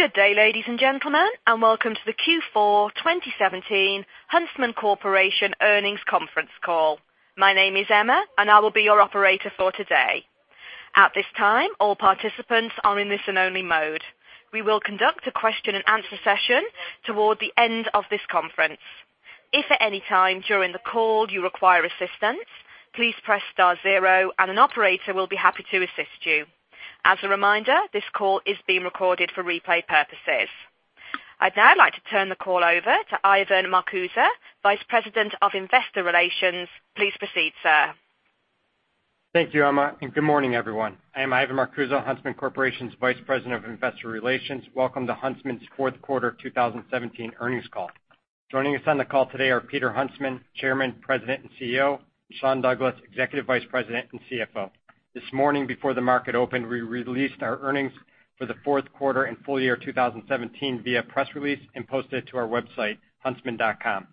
Good day, ladies and gentlemen, welcome to the Q4 2017 Huntsman Corporation Earnings Conference Call. My name is Emma, I will be your operator for today. At this time, all participants are in listen-only mode. We will conduct a question and answer session toward the end of this conference. If at any time during the call you require assistance, please press star zero and an operator will be happy to assist you. As a reminder, this call is being recorded for replay purposes. I'd now like to turn the call over to Ivan Marcuse, Vice President of Investor Relations. Please proceed, sir. Thank you, Emma, good morning, everyone. I am Ivan Marcuse, Huntsman Corporation's Vice President of Investor Relations. Welcome to Huntsman's fourth quarter 2017 earnings call. Joining us on the call today are Peter Huntsman, Chairman, President, and CEO, Sean Douglas, Executive Vice President and CFO. This morning before the market opened, we released our earnings for the fourth quarter and full year 2017 via press release posted it to our website, huntsman.com.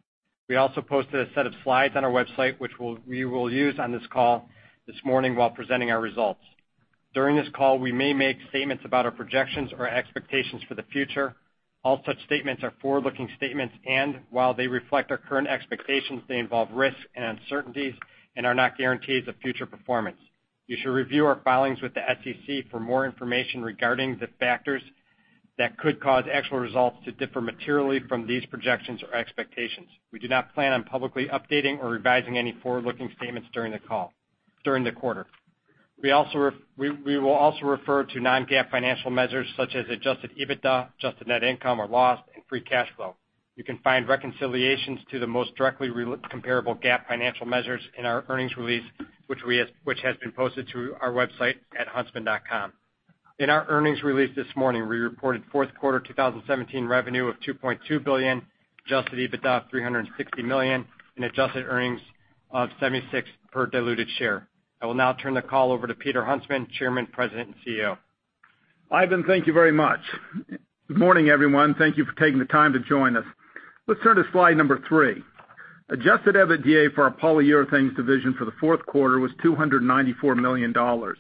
We also posted a set of slides on our website, which we will use on this call this morning while presenting our results. During this call, we may make statements about our projections or expectations for the future. All such statements are forward-looking statements, while they reflect our current expectations, they involve risks and uncertainties and are not guarantees of future performance. You should review our filings with the SEC for more information regarding the factors that could cause actual results to differ materially from these projections or expectations. We do not plan on publicly updating or revising any forward-looking statements during the call, during the quarter. We will also refer to non-GAAP financial measures such as adjusted EBITDA, adjusted net income or loss, free cash flow. You can find reconciliations to the most directly comparable GAAP financial measures in our earnings release, which has been posted to our website at huntsman.com. In our earnings release this morning, we reported fourth quarter 2017 revenue of $2.2 billion, adjusted EBITDA of $360 million, adjusted earnings of $0.76 per diluted share. I will now turn the call over to Peter Huntsman, Chairman, President, and CEO. Ivan, thank you very much. Good morning, everyone. Thank you for taking the time to join us. Let's turn to slide number three. Adjusted EBITDA for our Polyurethanes division for the fourth quarter was $294 million. Our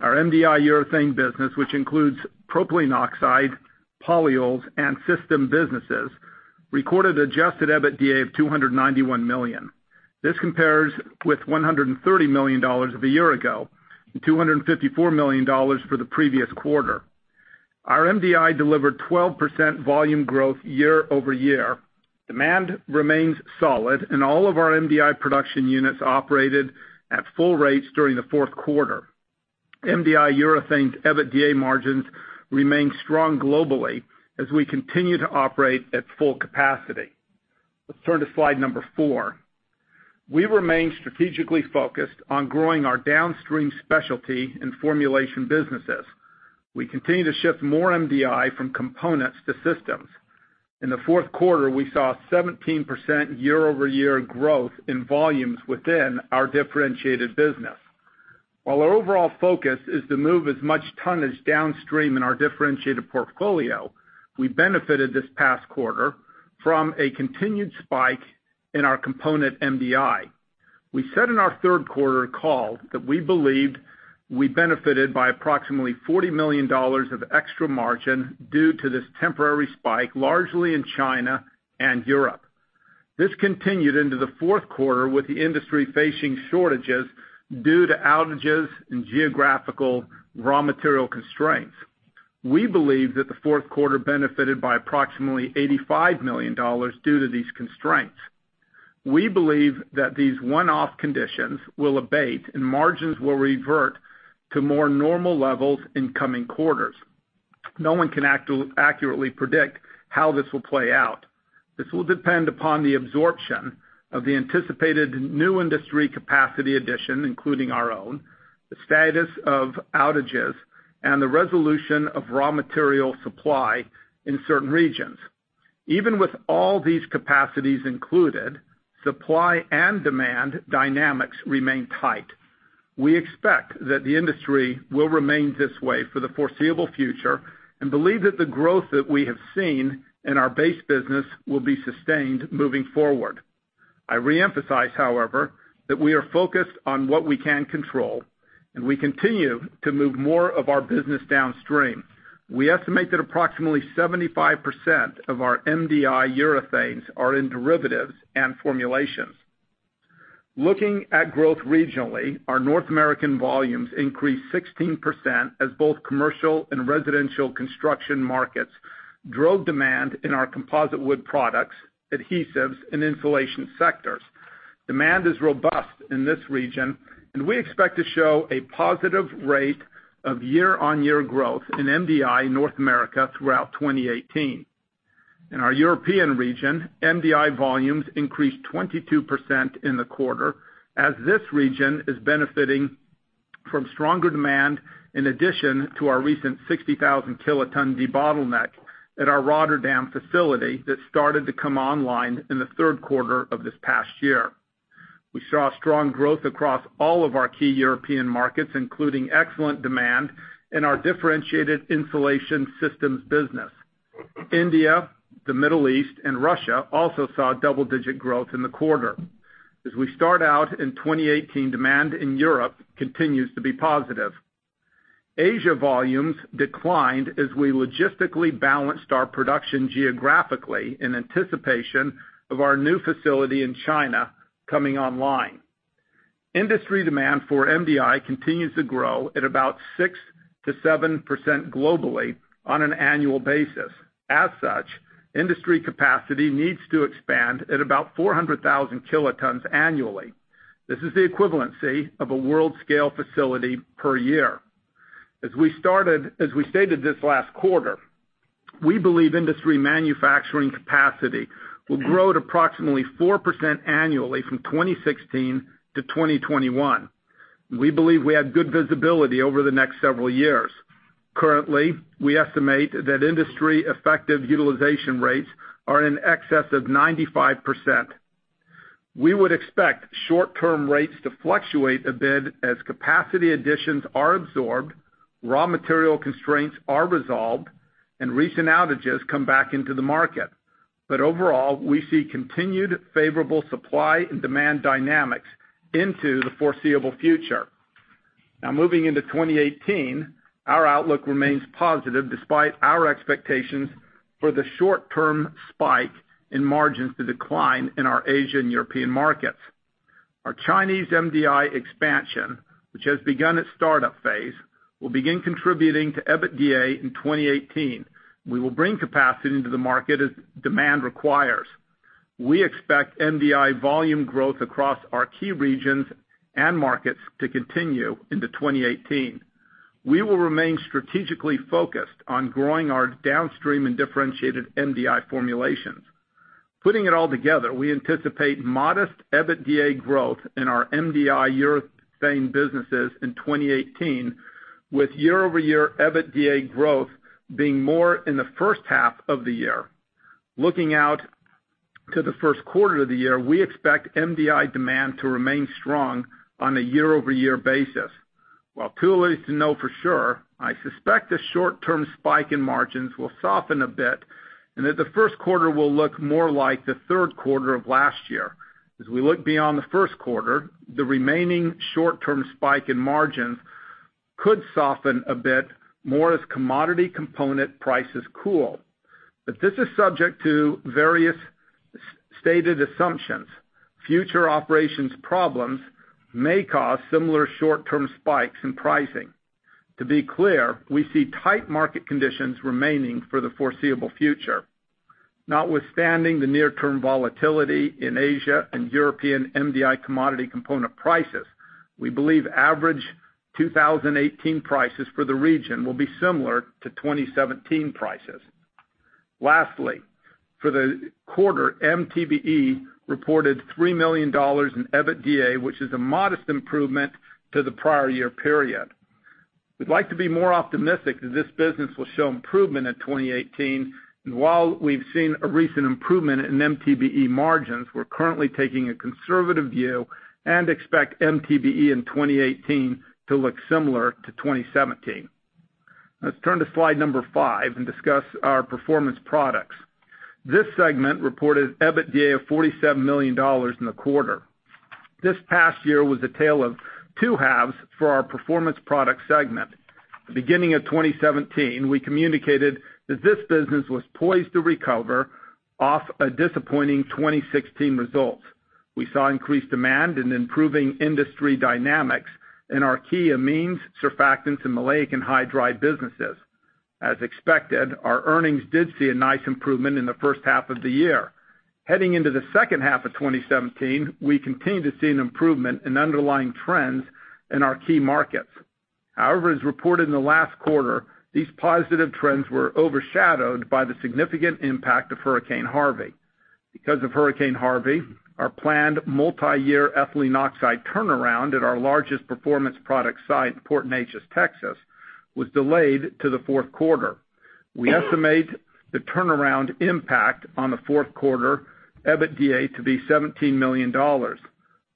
MDI urethane business, which includes propylene oxide, polyols, system businesses, recorded adjusted EBITDA of $291 million. This compares with $130 million a year ago $254 million for the previous quarter. Our MDI delivered 12% volume growth year-over-year. Demand remains solid, all of our MDI production units operated at full rates during the fourth quarter. MDI urethanes EBITDA margins remain strong globally as we continue to operate at full capacity. Let's turn to slide number four. We remain strategically focused on growing our downstream specialty and formulation businesses. We continue to shift more MDI from components to systems. In the fourth quarter, we saw a 17% year-over-year growth in volumes within our differentiated business. While our overall focus is to move as much tonnage downstream in our differentiated portfolio, we benefited this past quarter from a continued spike in our component MDI. We said in our third quarter call that we believed we benefited by approximately $40 million of extra margin due to this temporary spike, largely in China and Europe. This continued into the fourth quarter with the industry facing shortages due to outages and geographical raw material constraints. We believe that the fourth quarter benefited by approximately $85 million due to these constraints. We believe that these one-off conditions will abate, and margins will revert to more normal levels in coming quarters. No one can accurately predict how this will play out. This will depend upon the absorption of the anticipated new industry capacity addition, including our own, the status of outages, and the resolution of raw material supply in certain regions. Even with all these capacities included, supply and demand dynamics remain tight. We expect that the industry will remain this way for the foreseeable future and believe that the growth that we have seen in our base business will be sustained moving forward. I reemphasize, however, that we are focused on what we can control, and we continue to move more of our business downstream. We estimate that approximately 75% of our MDI urethanes are in derivatives and formulations. Looking at growth regionally, our North American volumes increased 16% as both commercial and residential construction markets drove demand in our composite wood products, adhesives, and insulation sectors. Demand is robust in this region, and we expect to show a positive rate of year-on-year growth in MDI North America throughout 2018. In our European region, MDI volumes increased 22% in the quarter as this region is benefiting from stronger demand in addition to our recent 60,000 kiloton debottleneck at our Rotterdam facility that started to come online in the third quarter of this past year. We saw strong growth across all of our key European markets, including excellent demand in our differentiated insulation systems business. India, the Middle East, and Russia also saw double-digit growth in the quarter. As we start out in 2018, demand in Europe continues to be positive. Asia volumes declined as we logistically balanced our production geographically in anticipation of our new facility in China coming online. Industry demand for MDI continues to grow at about 6%-7% globally on an annual basis. As such, industry capacity needs to expand at about 400,000 kilotons annually. This is the equivalency of a world-scale facility per year. As we stated this last quarter, we believe industry manufacturing capacity will grow at approximately 4% annually from 2016 to 2021. We believe we have good visibility over the next several years. Currently, we estimate that industry effective utilization rates are in excess of 95%. We would expect short-term rates to fluctuate a bit as capacity additions are absorbed, raw material constraints are resolved, and recent outages come back into the market. Overall, we see continued favorable supply and demand dynamics into the foreseeable future. Now, moving into 2018, our outlook remains positive despite our expectations for the short-term spike in margins to decline in our Asian and European markets. Our Chinese MDI expansion, which has begun its startup phase, will begin contributing to EBITDA in 2018. We will bring capacity into the market as demand requires. We expect MDI volume growth across our key regions and markets to continue into 2018. We will remain strategically focused on growing our downstream and differentiated MDI formulations. Putting it all together, we anticipate modest EBITDA growth in our MDI urethane businesses in 2018, with year-over-year EBITDA growth being more in the first half of the year. Looking out to the first quarter of the year, we expect MDI demand to remain strong on a year-over-year basis. While too late to know for sure, I suspect the short-term spike in margins will soften a bit, and that the first quarter will look more like the third quarter of last year. As we look beyond the first quarter, the remaining short-term spike in margins could soften a bit more as commodity component prices cool. This is subject to various stated assumptions. Future operations problems may cause similar short-term spikes in pricing. To be clear, we see tight market conditions remaining for the foreseeable future. Notwithstanding the near-term volatility in Asia and European MDI commodity component prices, we believe average 2018 prices for the region will be similar to 2017 prices. Lastly, for the quarter, MTBE reported $3 million in EBITDA, which is a modest improvement to the prior year period. We'd like to be more optimistic that this business will show improvement in 2018, and while we've seen a recent improvement in MTBE margins, we're currently taking a conservative view and expect MTBE in 2018 to look similar to 2017. Let's turn to slide number five and discuss our Performance Products. This segment reported EBITDA of $47 million in the quarter. This past year was a tale of two halves for our Performance Products segment. At the beginning of 2017, we communicated that this business was poised to recover off disappointing 2016 results. We saw increased demand and improving industry dynamics in our key amines, surfactants, and maleic anhydride businesses. As expected, our earnings did see a nice improvement in the first half of the year. Heading into the second half of 2017, we continued to see an improvement in underlying trends in our key markets. However, as reported in the last quarter, these positive trends were overshadowed by the significant impact of Hurricane Harvey. Because of Hurricane Harvey, our planned multi-year ethylene oxide turnaround at our largest performance product site in Port Neches, Texas, was delayed to the fourth quarter. We estimate the turnaround impact on the fourth quarter EBITDA to be $17 million.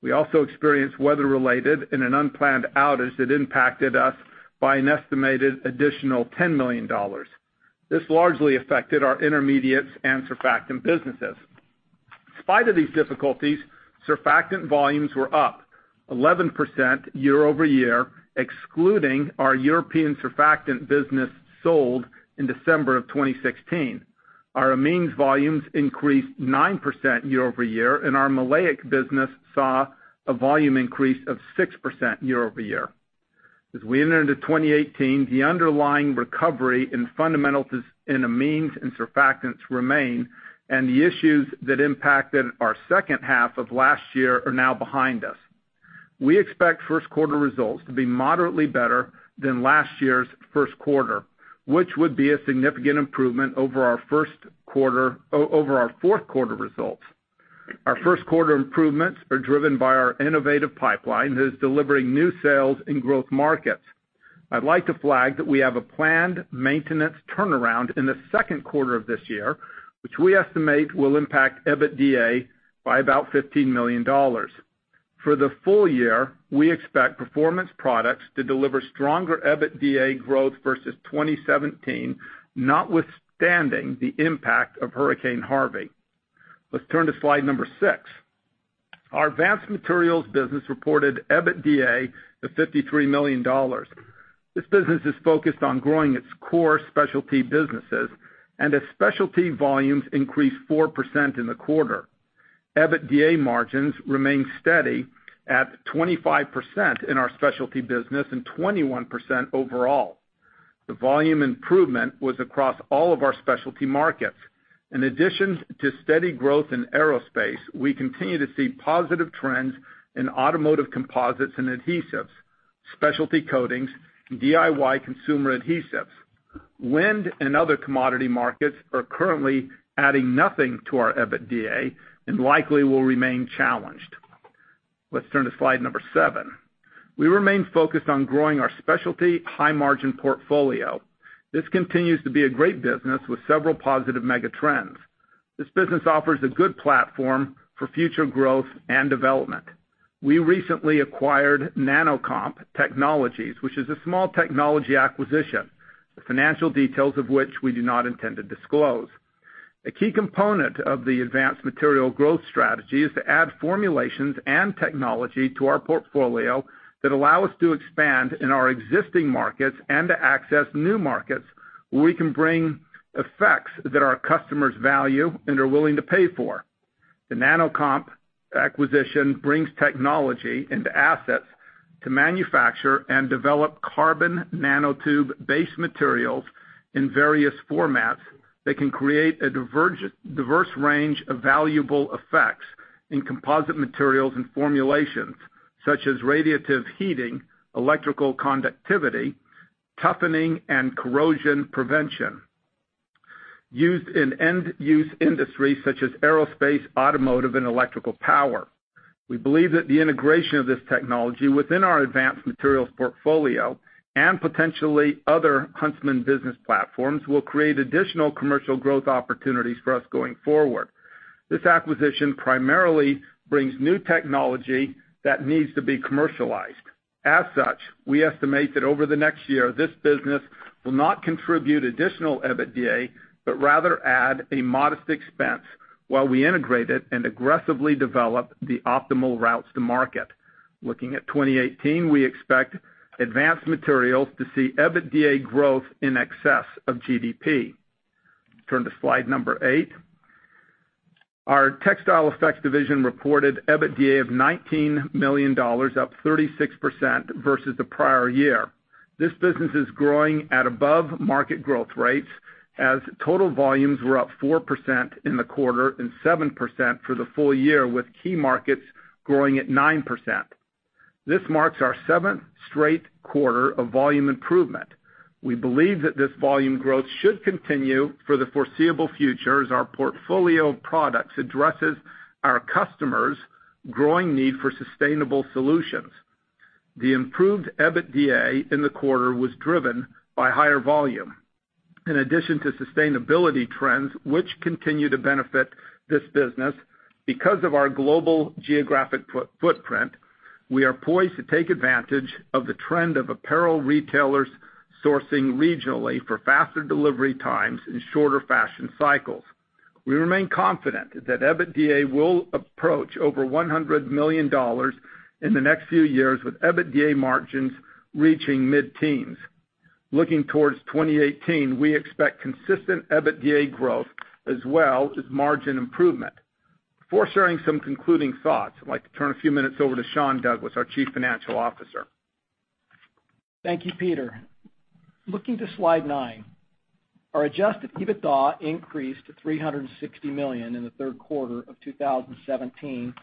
We also experienced weather-related and an unplanned outage that impacted us by an estimated additional $10 million. This largely affected our intermediates and surfactant businesses. In spite of these difficulties, surfactant volumes were up 11% year-over-year, excluding our European surfactant business sold in December of 2016. Our amines volumes increased 9% year-over-year, and our maleic business saw a volume increase of 6% year-over-year. As we enter into 2018, the underlying recovery in fundamentals in amines and surfactants remain, and the issues that impacted our second half of last year are now behind us. We expect first quarter results to be moderately better than last year's first quarter, which would be a significant improvement over our fourth quarter results. Our first quarter improvements are driven by our innovative pipeline that is delivering new sales in growth markets. I'd like to flag that we have a planned maintenance turnaround in the second quarter of this year, which we estimate will impact EBITDA by about $15 million. For the full year, we expect Performance Products to deliver stronger EBITDA growth versus 2017, notwithstanding the impact of Hurricane Harvey. Let's turn to slide number six. Our Advanced Materials business reported EBITDA of $53 million. This business is focused on growing its core specialty businesses, and as specialty volumes increased 4% in the quarter. EBITDA margins remained steady at 25% in our specialty business and 21% overall. The volume improvement was across all of our specialty markets. In addition to steady growth in aerospace, we continue to see positive trends in automotive composites and adhesives, specialty coatings, and DIY consumer adhesives. Wind and other commodity markets are currently adding nothing to our EBITDA and likely will remain challenged. Let's turn to slide number seven. We remain focused on growing our specialty high-margin portfolio. This continues to be a great business with several positive mega trends. This business offers a good platform for future growth and development. We recently acquired Nanocomp Technologies, which is a small technology acquisition, the financial details of which we do not intend to disclose. A key component of the Advanced Materials growth strategy is to add formulations and technology to our portfolio that allow us to expand in our existing markets and to access new markets where we can bring effects that our customers value and are willing to pay for. The Nanocomp acquisition brings technology into assets to manufacture and develop carbon nanotube-based materials in various formats that can create a diverse range of valuable effects in composite materials and formulations, such as radiative heating, electrical conductivity, toughening, and corrosion prevention, used in end-use industries such as aerospace, automotive, and electrical power. We believe that the integration of this technology within our Advanced Materials portfolio and potentially other Huntsman business platforms will create additional commercial growth opportunities for us going forward. This acquisition primarily brings new technology that needs to be commercialized. As such, we estimate that over the next year, this business will not contribute additional EBITDA, but rather add a modest expense while we integrate it and aggressively develop the optimal routes to market. Looking at 2018, we expect Advanced Materials to see EBITDA growth in excess of GDP. Turn to slide number eight. Our Textile Effects division reported EBITDA of $19 million, up 36% versus the prior year. This business is growing at above market growth rates as total volumes were up 4% in the quarter and 7% for the full year, with key markets growing at 9%. This marks our seventh straight quarter of volume improvement. We believe that this volume growth should continue for the foreseeable future as our portfolio of products addresses our customers' growing need for sustainable solutions. The improved EBITDA in the quarter was driven by higher volume. In addition to sustainability trends, which continue to benefit this business, because of our global geographic footprint, we are poised to take advantage of the trend of apparel retailers sourcing regionally for faster delivery times and shorter fashion cycles. We remain confident that EBITDA will approach over $100 million in the next few years, with EBITDA margins reaching mid-teens. Looking towards 2018, we expect consistent EBITDA growth as well as margin improvement. Before sharing some concluding thoughts, I'd like to turn a few minutes over to Sean Douglas, our Chief Financial Officer. Thank you, Peter. Looking to slide nine, our adjusted EBITDA increased to $360 million in the third quarter of 2017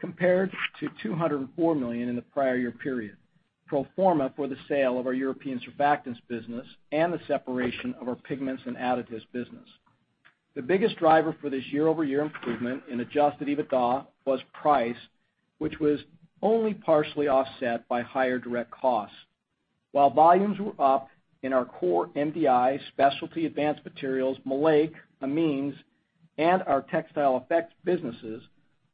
compared to $204 million in the prior year period, pro forma for the sale of our European surfactants business and the separation of our pigments and additives business. The biggest driver for this year-over-year improvement in adjusted EBITDA was price, which was only partially offset by higher direct costs. While volumes were up in our core MDI, Specialty Advanced Materials, maleic, amines, and our Textile Effects businesses,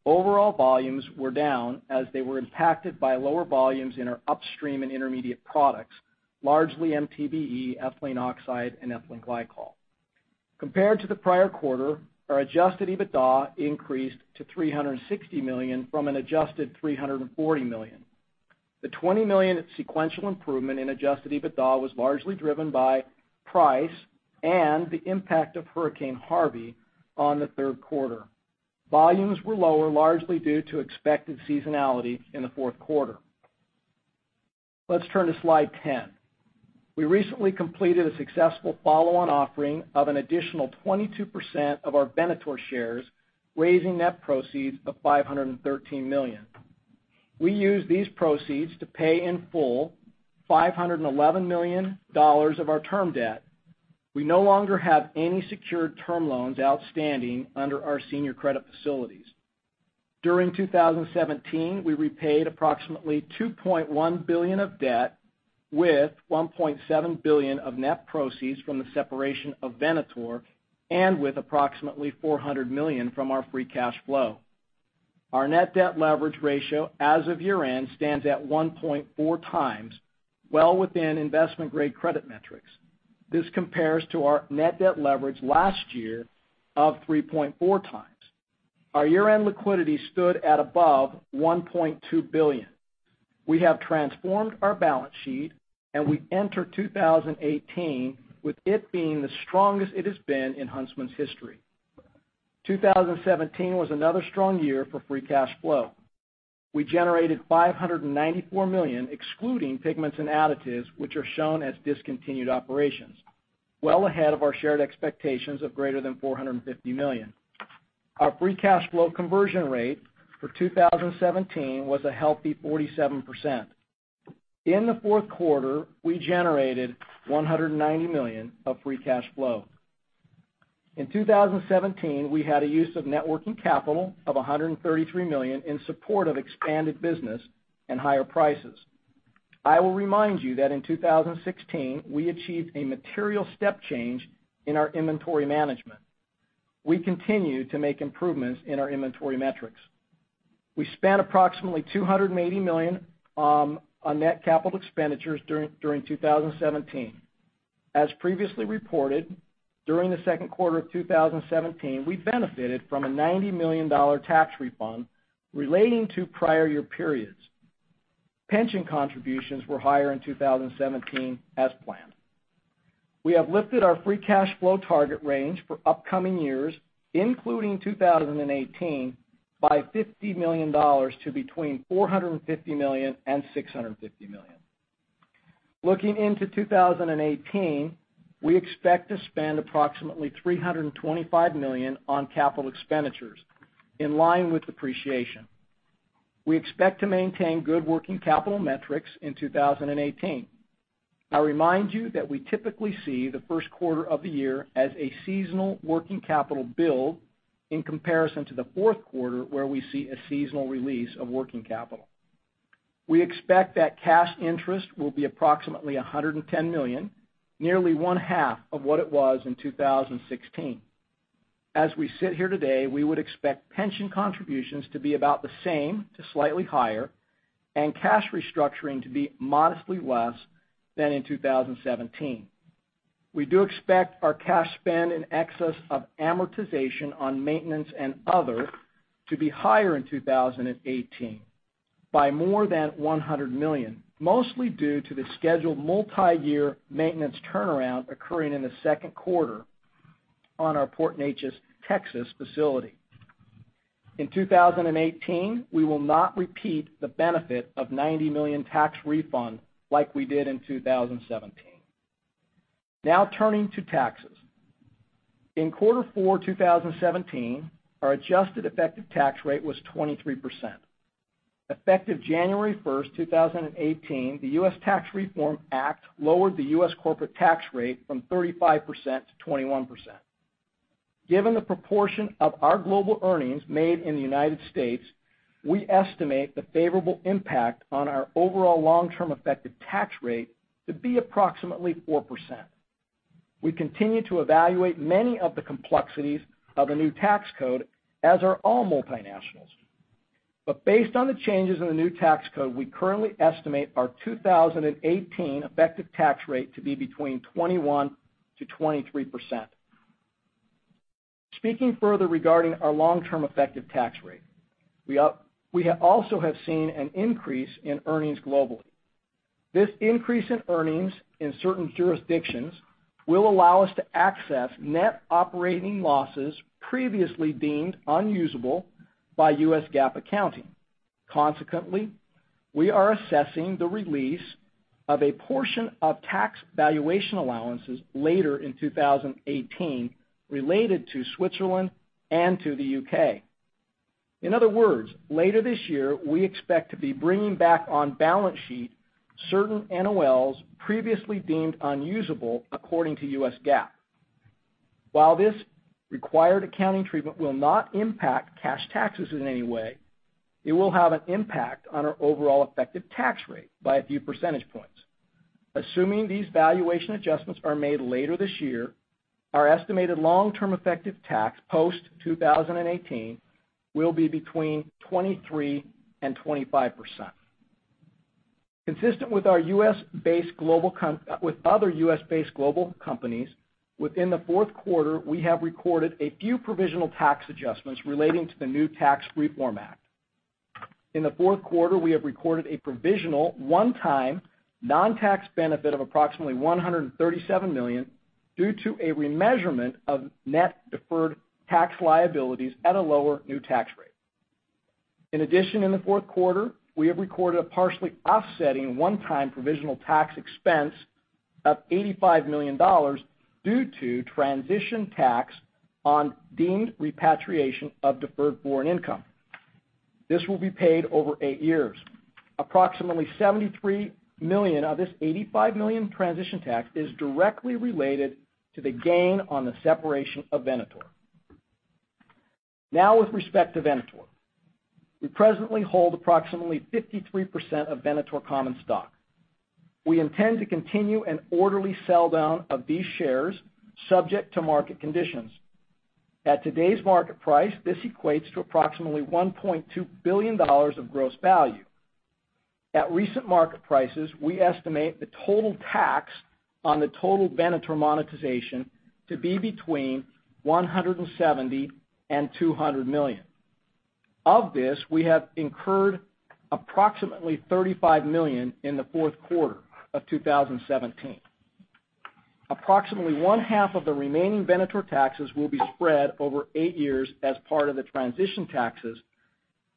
overall volumes were down as they were impacted by lower volumes in our upstream and intermediate products, largely MTBE, ethylene oxide, and ethylene glycol. Compared to the prior quarter, our adjusted EBITDA increased to $360 million from an adjusted $340 million. The $20 million sequential improvement in adjusted EBITDA was largely driven by price and the impact of Hurricane Harvey on the third quarter. Volumes were lower, largely due to expected seasonality in the fourth quarter. Let's turn to slide 10. We recently completed a successful follow-on offering of an additional 22% of our Venator shares, raising net proceeds of $513 million. We used these proceeds to pay in full $511 million of our term debt. We no longer have any secured term loans outstanding under our senior credit facilities. During 2017, we repaid approximately $2.1 billion of debt with $1.7 billion of net proceeds from the separation of Venator and with approximately $400 million from our free cash flow. Our net debt leverage ratio as of year-end stands at 1.4 times, well within investment-grade credit metrics. This compares to our net debt leverage last year of 3.4 times. Our year-end liquidity stood at above $1.2 billion. We have transformed our balance sheet, and we enter 2018 with it being the strongest it has been in Huntsman's history. 2017 was another strong year for free cash flow. We generated $594 million, excluding pigments and additives, which are shown as discontinued operations, well ahead of our shared expectations of greater than $450 million. Our free cash flow conversion rate for 2017 was a healthy 47%. In the fourth quarter, we generated $190 million of free cash flow. In 2017, we had a use of net working capital of $133 million in support of expanded business and higher prices. I will remind you that in 2016, we achieved a material step change in our inventory management. We continue to make improvements in our inventory metrics. We spent approximately $280 million on net capital expenditures during 2017. As previously reported, during the second quarter of 2017, we benefited from a $90 million tax refund relating to prior year periods. Pension contributions were higher in 2017 as planned. We have lifted our free cash flow target range for upcoming years, including 2018, by $50 million to between $450 million and $650 million. Looking into 2018, we expect to spend approximately $325 million on capital expenditures in line with depreciation. We expect to maintain good working capital metrics in 2018. I remind you that we typically see the first quarter of the year as a seasonal working capital build in comparison to the fourth quarter, where we see a seasonal release of working capital. We expect that cash interest will be approximately $110 million, nearly one-half of what it was in 2016. As we sit here today, we would expect pension contributions to be about the same to slightly higher and cash restructuring to be modestly less than in 2017. We do expect our cash spend in excess of amortization on maintenance and other to be higher in 2018 by more than $100 million, mostly due to the scheduled multi-year maintenance turnaround occurring in the second quarter on our Port Neches, Texas facility. In 2018, we will not repeat the benefit of $90 million tax refund like we did in 2017. Turning to taxes. In quarter four 2017, our adjusted effective tax rate was 23%. Effective January 1st, 2018, the Tax Cuts and Jobs Act lowered the U.S. corporate tax rate from 35% to 21%. Given the proportion of our global earnings made in the United States, we estimate the favorable impact on our overall long-term effective tax rate to be approximately 4%. We continue to evaluate many of the complexities of the new tax code, as are all multinationals. Based on the changes in the new tax code, we currently estimate our 2018 effective tax rate to be between 21%-23%. Speaking further regarding our long-term effective tax rate, we have also seen an increase in earnings globally. This increase in earnings in certain jurisdictions will allow us to access net operating losses previously deemed unusable by U.S. GAAP accounting. Consequently, we are assessing the release of a portion of tax valuation allowances later in 2018 related to Switzerland and to the U.K. In other words, later this year, we expect to be bringing back on balance sheet certain NOLs previously deemed unusable according to U.S. GAAP. While this required accounting treatment will not impact cash taxes in any way, it will have an impact on our overall effective tax rate by a few percentage points. Assuming these valuation adjustments are made later this year, our estimated long-term effective tax post-2018 will be between 23% and 25%. Consistent with our U.S.-based global companies, within the fourth quarter, we have recorded a few provisional tax adjustments relating to the new Tax Cuts and Jobs Act. In the fourth quarter, we have recorded a provisional one-time non-tax benefit of approximately $137 million due to a remeasurement of net deferred tax liabilities at a lower new tax rate. In addition, in the fourth quarter, we have recorded a partially offsetting one-time provisional tax expense of $85 million due to transition tax on deemed repatriation of deferred foreign income. This will be paid over eight years. Approximately $73 million of this $85 million transition tax is directly related to the gain on the separation of Venator. With respect to Venator. We presently hold approximately 53% of Venator common stock. We intend to continue an orderly sell-down of these shares subject to market conditions. At today's market price, this equates to approximately $1.2 billion of gross value. At recent market prices, we estimate the total tax on the total Venator monetization to be between $170 million and $200 million. Of this, we have incurred approximately $35 million in the fourth quarter of 2017. Approximately one half of the remaining Venator taxes will be spread over eight years as part of the transition taxes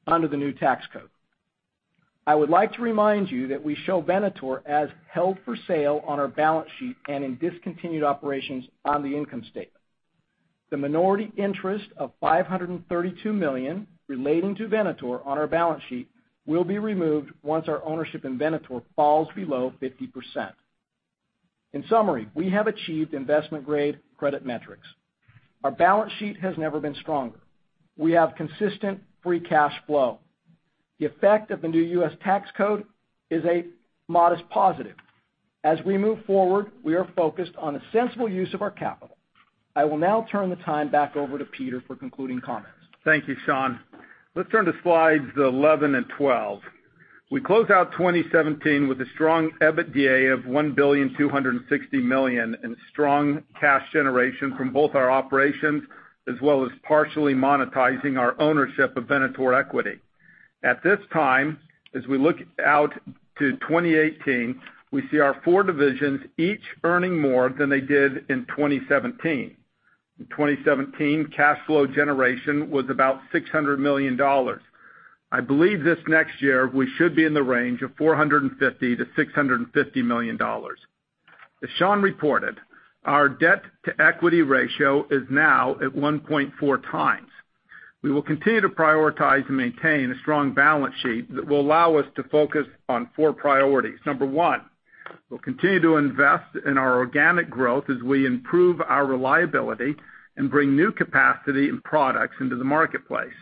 under the new tax code. I would like to remind you that we show Venator as held for sale on our balance sheet and in discontinued operations on the income statement. The minority interest of $532 million relating to Venator on our balance sheet will be removed once our ownership in Venator falls below 50%. In summary, we have achieved investment-grade credit metrics. Our balance sheet has never been stronger. We have consistent free cash flow. The effect of the new U.S. tax code is a modest positive. As we move forward, we are focused on a sensible use of our capital. I will now turn the time back over to Peter for concluding comments. Thank you, Sean. Let's turn to slides 11 and 12. We closed out 2017 with a strong EBITDA of $1,260 million and strong cash generation from both our operations as well as partially monetizing our ownership of Venator equity. At this time, as we look out to 2018, we see our four divisions each earning more than they did in 2017. In 2017, cash flow generation was about $600 million. I believe this next year we should be in the range of $450 million-$650 million. As Sean reported, our debt to equity ratio is now at 1.4 times. We will continue to prioritize and maintain a strong balance sheet that will allow us to focus on four priorities. Number one, we'll continue to invest in our organic growth as we improve our reliability and bring new capacity and products into the marketplace.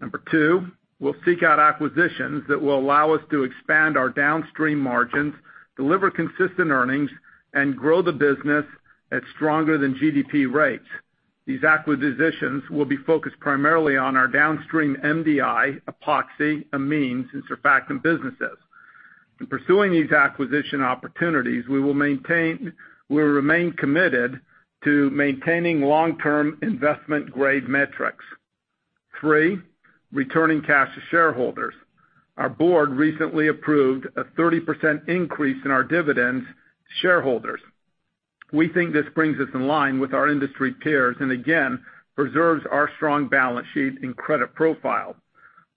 Number two, we'll seek out acquisitions that will allow us to expand our downstream margins, deliver consistent earnings, and grow the business at stronger than GDP rates. These acquisitions will be focused primarily on our downstream MDI, epoxy, amines, and surfactant businesses. In pursuing these acquisition opportunities, we will remain committed to maintaining long-term investment-grade metrics. Three, returning cash to shareholders. Our board recently approved a 30% increase in our dividends to shareholders. We think this brings us in line with our industry peers and again, preserves our strong balance sheet and credit profile.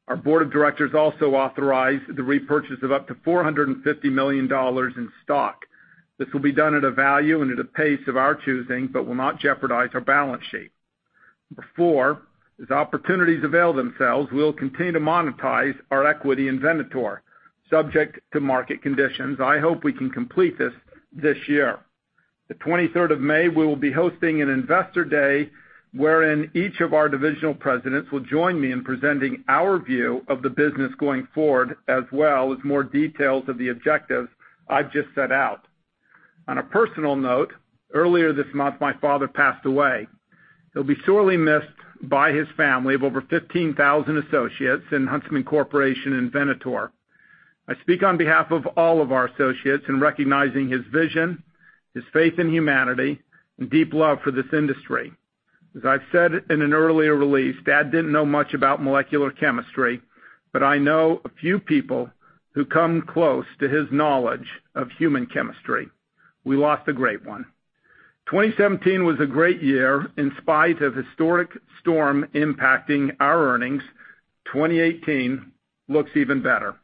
Our board of directors also authorized the repurchase of up to $450 million in stock. This will be done at a value and at a pace of our choosing, but will not jeopardize our balance sheet. Number four, as opportunities avail themselves, we'll continue to monetize our equity in Venator, subject to market conditions. I hope we can complete this year. The 23rd of May, we will be hosting an investor day wherein each of our divisional presidents will join me in presenting our view of the business going forward, as well as more details of the objectives I've just set out. On a personal note, earlier this month, my father passed away. He'll be sorely missed by his family of over 15,000 associates in Huntsman Corporation and Venator. I speak on behalf of all of our associates in recognizing his vision, his faith in humanity, and deep love for this industry. As I've said in an earlier release, Dad didn't know much about molecular chemistry, but I know a few people who come close to his knowledge of human chemistry. We lost a great one. 2017 was a great year in spite of historic storm impacting our earnings. 2018 looks even better.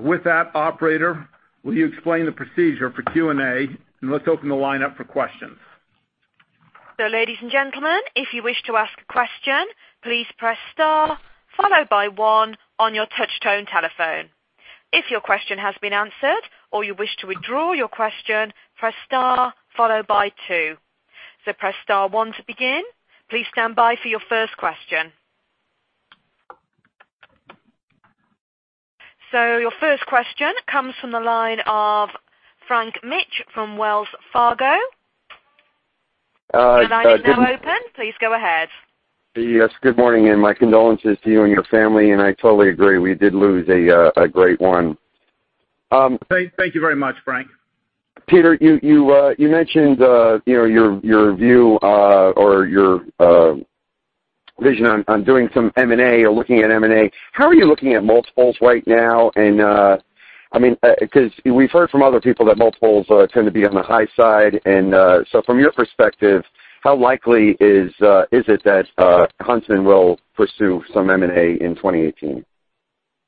With that, operator, will you explain the procedure for Q&A, and let's open the lineup for questions. Ladies and gentlemen, if you wish to ask a question, please press star followed by one on your touch-tone telephone. If your question has been answered or you wish to withdraw your question, press star followed by two. Press star one to begin. Please stand by for your first question. Your first question comes from the line of Frank Mitsch from Wells Fargo. The line is now open. Please go ahead. Yes, good morning, my condolences to you and your family, I totally agree, we did lose a great one. Thank you very much, Frank. Peter, you mentioned your view or your vision on doing some M&A or looking at M&A. How are you looking at multiples right now? Because we've heard from other people that multiples tend to be on the high side, from your perspective, how likely is it that Huntsman will pursue some M&A in 2018?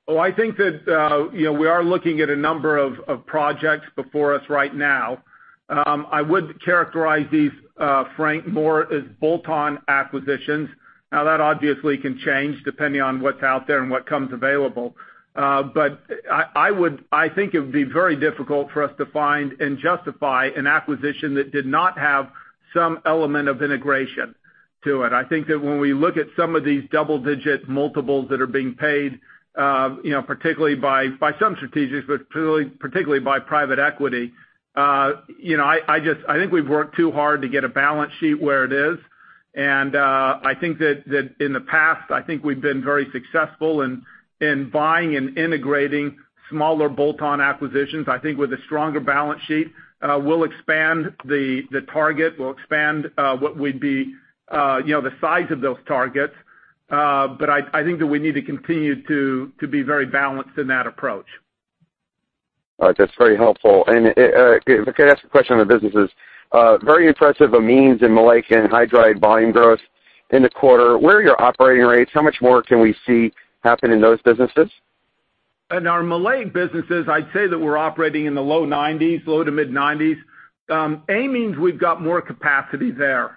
I think that we are looking at a number of projects before us right now. I would characterize these, Frank, more as bolt-on acquisitions. Now, that obviously can change depending on what's out there and what comes available. I think it would be very difficult for us to find and justify an acquisition that did not have some element of integration to it. I think that when we look at some of these double-digit multiples that are being paid, particularly by some strategics, but particularly by private equity, I think we've worked too hard to get a balance sheet where it is. I think that in the past, I think we've been very successful in buying and integrating smaller bolt-on acquisitions. I think with a stronger balance sheet, we'll expand the target, we'll expand the size of those targets. I think that we need to continue to be very balanced in that approach. All right. That's very helpful. If I could ask a question on the businesses. Very impressive amines and maleic anhydride volume growth in the quarter. Where are your operating rates? How much more can we see happen in those businesses? In our maleic businesses, I'd say that we're operating in the low 90s, low to mid 90s. Amines, we've got more capacity there,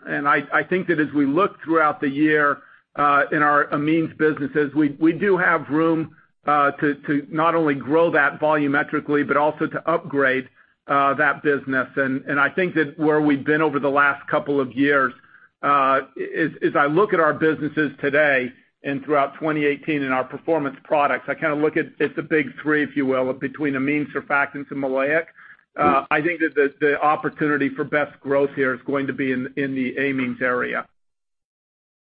I think that as we look throughout the year in our amines businesses, we do have room to not only grow that volumetrically but also to upgrade that business. I think that where we've been over the last couple of years, as I look at our businesses today and throughout 2018 and our Performance Products, I look at it's the big three, if you will, between amines, surfactants, and maleic. I think that the opportunity for best growth here is going to be in the amines area.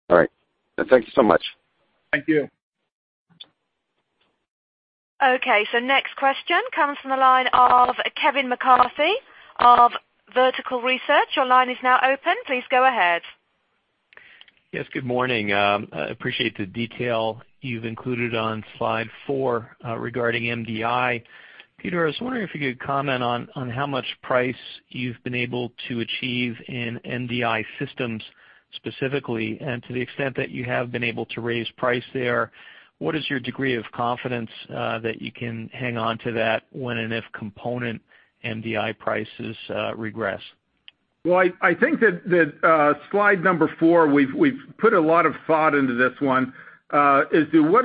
All right. Thank you so much. Thank you. Okay, next question comes from the line of Kevin McCarthy of Vertical Research. Your line is now open. Please go ahead. Yes, good morning. I appreciate the detail you've included on slide four regarding MDI. Peter, I was wondering if you could comment on how much price you've been able to achieve in MDI systems specifically, and to the extent that you have been able to raise price there, what is your degree of confidence that you can hang on to that when and if component MDI prices regress? I think that slide number four, we've put a lot of thought into this one. What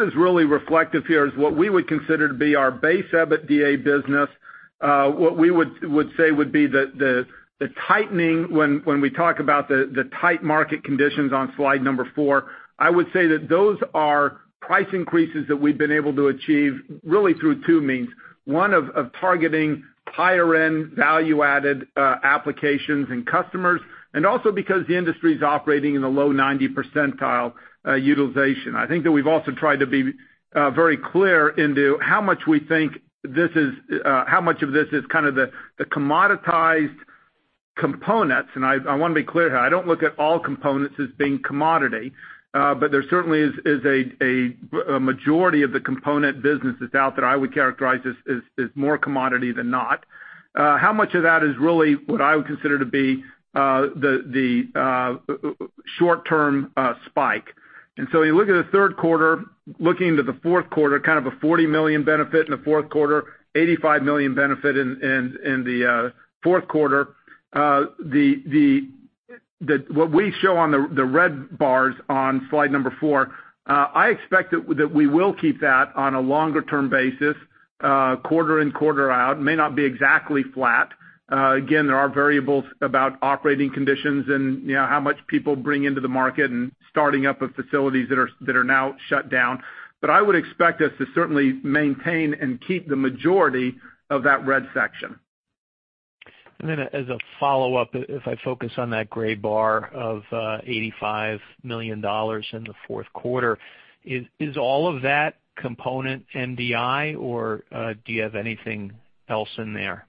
is really reflective here is what we would consider to be our base EBITDA business. What we would say would be the tightening when we talk about the tight market conditions on slide number four, I would say that those are price increases that we've been able to achieve really through two means. One of targeting higher-end, value-added applications and customers, and also because the industry's operating in the low 90% utilization. I think that we've also tried to be very clear into how much of this is kind of the commoditized components, and I want to be clear here. I don't look at all components as being commodity, but there certainly is a majority of the component businesses out there I would characterize as more commodity than not. How much of that is really what I would consider to be the short-term spike? You look at the third quarter, looking into the fourth quarter, kind of a $40 million benefit in the fourth quarter, $85 million benefit in the fourth quarter. What we show on the red bars on slide number four, I expect that we will keep that on a longer-term basis quarter in, quarter out. May not be exactly flat. Again, there are variables about operating conditions and how much people bring into the market and starting up of facilities that are now shut down. I would expect us to certainly maintain and keep the majority of that red section. As a follow-up, if I focus on that gray bar of $85 million in the fourth quarter, is all of that component MDI or do you have anything else in there?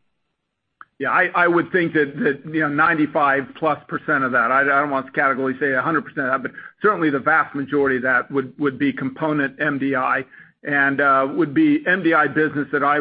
Yeah, I would think that 95+% of that. I don't want to categorically say 100% of that, but certainly the vast majority of that would be component MDI and would be MDI business that I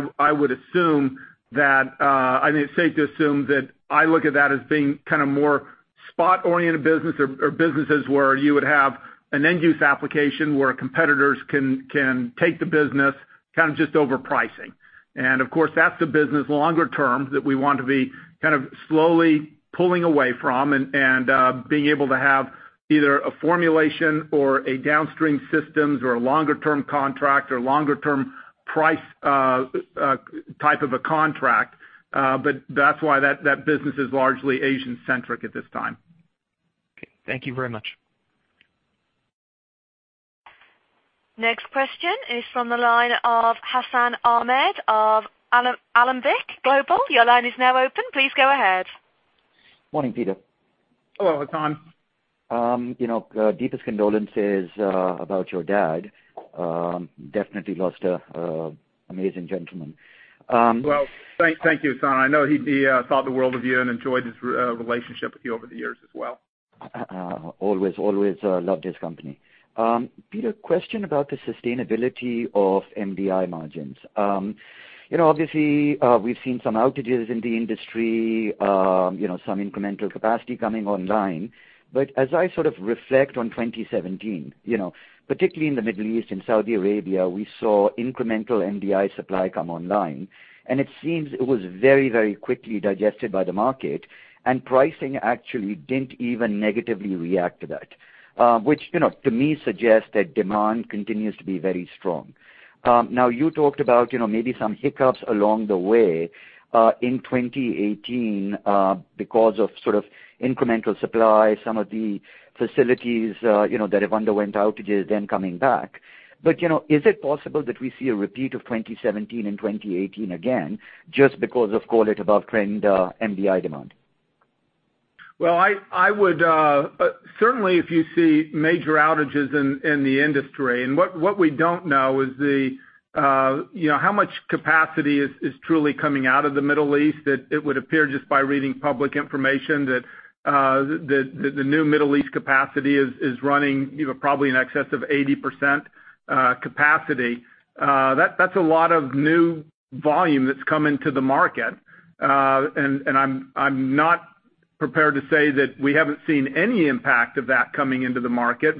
think it's safe to assume that I look at that as being kind of more spot-oriented business or businesses where you would have an end-use application where competitors can take the business, kind of just over pricing. Of course, that's the business longer term that we want to be kind of slowly pulling away from and being able to have either a formulation or a downstream systems or a longer-term contract or longer-term price type of a contract. That's why that business is largely Asian centric at this time. Okay. Thank you very much. Next question is from the line of Hassan Ahmed of Alembic Global. Your line is now open. Please go ahead. Morning, Peter. Hello, Hassan. Deepest condolences about your dad. Definitely lost an amazing gentleman. Well, thank you, Hassan. I know he thought the world of you and enjoyed his relationship with you over the years as well. Always loved his company. Peter, question about the sustainability of MDI margins. Obviously, we've seen some outages in the industry, some incremental capacity coming online. As I sort of reflect on 2017, particularly in the Middle East, in Saudi Arabia, we saw incremental MDI supply come online, and it seems it was very, very quickly digested by the market, and pricing actually didn't even negatively react to that, which to me suggests that demand continues to be very strong. You talked about maybe some hiccups along the way in 2018 because of sort of incremental supply, some of the facilities that have underwent outages then coming back. Is it possible that we see a repeat of 2017 and 2018 again just because of call it above trend MDI demand? Well, certainly if you see major outages in the industry. What we don't know is how much capacity is truly coming out of the Middle East. It would appear just by reading public information that the new Middle East capacity is running probably in excess of 80% capacity. That's a lot of new volume that's coming to the market. I'm not prepared to say that we haven't seen any impact of that coming into the market.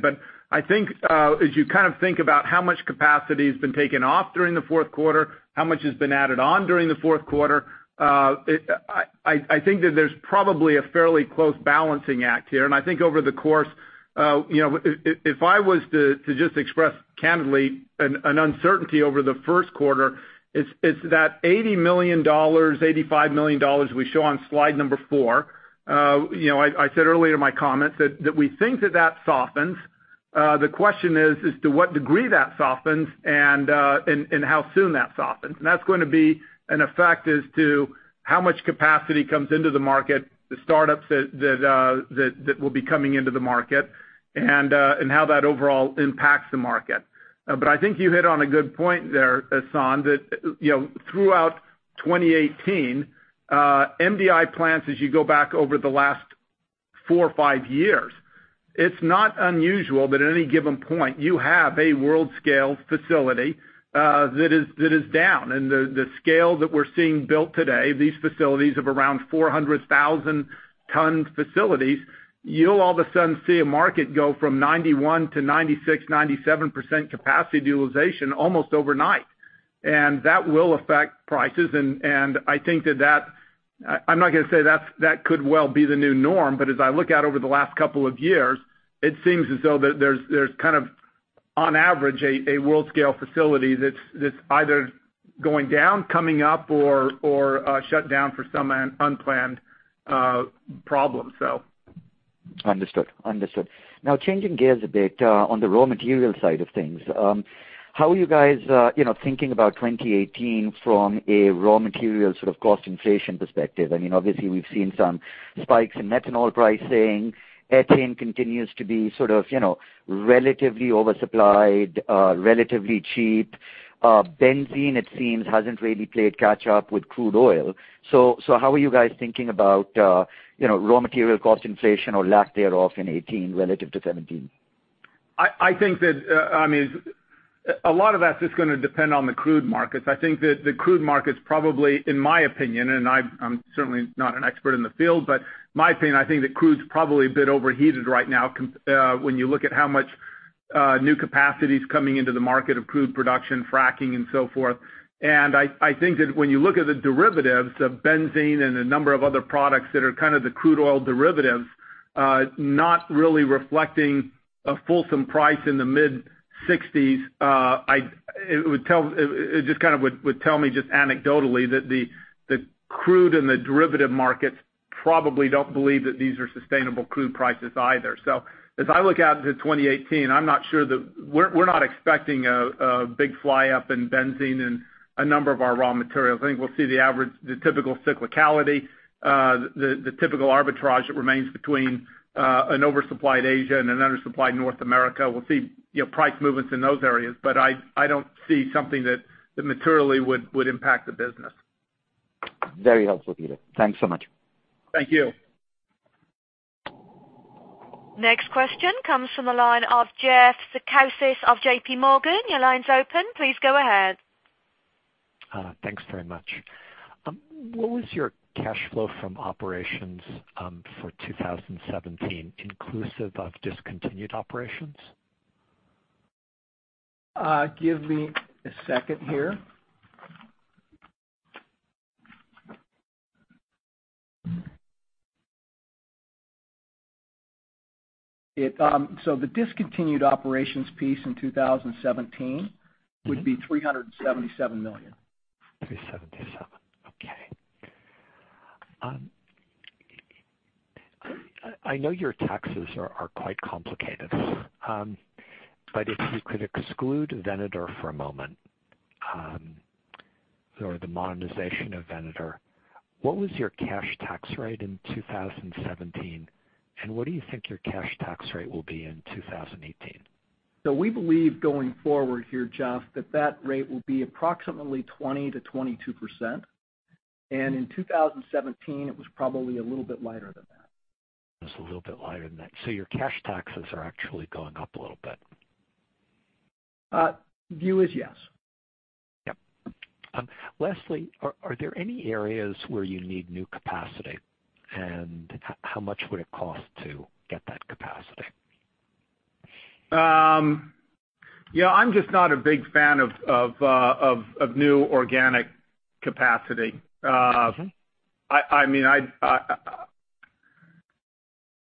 I think as you think about how much capacity has been taken off during the fourth quarter, how much has been added on during the fourth quarter, I think that there's probably a fairly close balancing act here. I think over the course, if I was to just express candidly an uncertainty over the first quarter, it's that $80 million, $85 million we show on slide number four. I said earlier in my comments that we think that that softens. The question is to what degree that softens and how soon that softens. That's going to be an effect as to how much capacity comes into the market, the startups that will be coming into the market, and how that overall impacts the market. I think you hit on a good point there, Hassan, that throughout 2018, MDI plants, as you go back over the last four or five years, it's not unusual that at any given point you have a world-scale facility that is down. The scale that we're seeing built today, these facilities of around 400,000 tons, you'll all of a sudden see a market go from 91% to 96%, 97% capacity utilization almost overnight. That will affect prices, and I think that that I'm not going to say that could well be the new norm, as I look out over the last couple of years, it seems as though that there's kind of, on average, a world scale facility that's either going down, coming up, or shut down for some unplanned problem. Understood. Changing gears a bit on the raw material side of things. How are you guys thinking about 2018 from a raw material sort of cost inflation perspective? Obviously we've seen some spikes in methanol pricing. Ethane continues to be sort of relatively oversupplied, relatively cheap. Benzene, it seems, hasn't really played catch up with crude oil. How are you guys thinking about raw material cost inflation or lack thereof in 2018 relative to 2017? I think that a lot of that's just going to depend on the crude markets. I think that the crude markets probably, in my opinion, and I'm certainly not an expert in the field, but my opinion, I think that crude's probably a bit overheated right now when you look at how much new capacity's coming into the market of crude production, fracking, and so forth. I think that when you look at the derivatives of benzene and a number of other products that are kind of the crude oil derivatives, not really reflecting a fulsome price in the mid-60s, it just would tell me just anecdotally that the crude and the derivative markets probably don't believe that these are sustainable crude prices either. As I look out into 2018, we're not expecting a big fly up in benzene in a number of our raw materials. I think we'll see the average, the typical cyclicality, the typical arbitrage that remains between an oversupplied Asia and an undersupplied North America. We'll see price movements in those areas. I don't see something that materially would impact the business. Very helpful, Peter. Thanks so much. Thank you. Next question comes from the line of Jeff Zekauskas of J.P. Morgan. Your line's open. Please go ahead. Thanks very much. What was your cash flow from operations for 2017 inclusive of discontinued operations? Give me a second here. The discontinued operations piece in 2017 would be $377 million. $377. Okay. I know your taxes are quite complicated. If you could exclude Venator for a moment, or the monetization of Venator, what was your cash tax rate in 2017, and what do you think your cash tax rate will be in 2018? We believe going forward here, Jeff, that that rate will be approximately 20%-22%. In 2017, it was probably a little bit lighter than that. Just a little bit lighter than that. Your cash taxes are actually going up a little bit. View is yes. Yep. Lastly, are there any areas where you need new capacity, and how much would it cost to get that capacity? I'm just not a big fan of new organic capacity. Okay.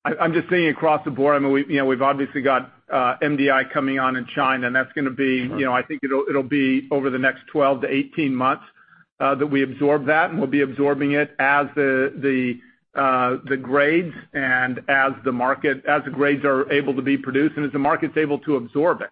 I'm just thinking across the board. We've obviously got MDI coming on in China, I think it'll be over the next 12-18 months that we absorb that. We'll be absorbing it as the grades are able to be produced and as the market's able to absorb it.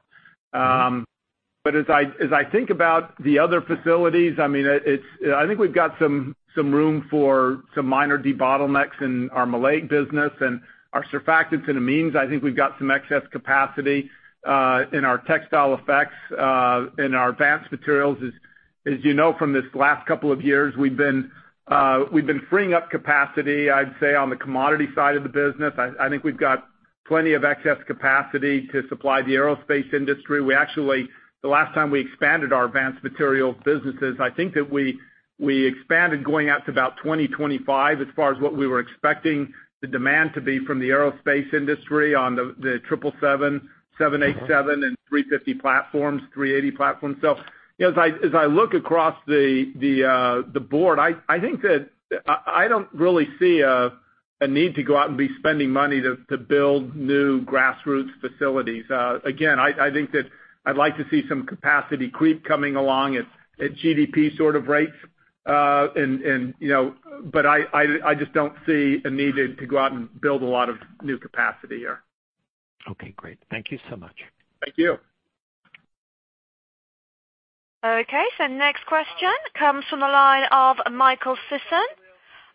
Okay. As I think about the other facilities, I think we've got some room for some minor debottlenecks in our maleic business and our surfactants and amines. I think we've got some excess capacity in our Textile Effects, in our Advanced Materials. As you know from these last couple of years, we've been freeing up capacity, I'd say, on the commodity side of the business. I think we've got plenty of excess capacity to supply the aerospace industry. The last time we expanded our Advanced Materials businesses, I think that we expanded going out to about 2025 as far as what we were expecting the demand to be from the aerospace industry on the 777, 787, and A350 platforms, A380 platforms. As I look across the board, I don't really see a need to go out and be spending money to build new grassroots facilities. I think that I'd like to see some capacity creep coming along at GDP sort of rates. I just don't see a need to go out and build a lot of new capacity here. Okay, great. Thank you so much. Thank you. Okay. Next question comes from the line of Michael Sison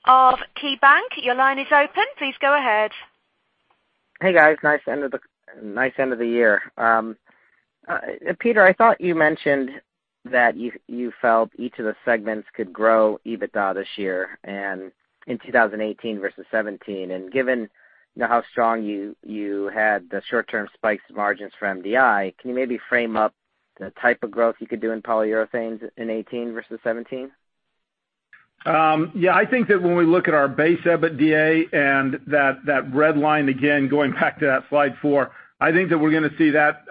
of KeyBanc. Your line is open. Please go ahead. Hey, guys. Nice end of the year. Peter, I thought you mentioned that you felt each of the segments could grow EBITDA this year, in 2018 versus 2017. Given how strong you had the short-term spikes margins for MDI, can you maybe frame up the type of growth you could do in Polyurethanes in 2018 versus 2017? Yeah, I think that when we look at our base EBITDA and that red line, again, going back to that slide four, I think that we're going to see that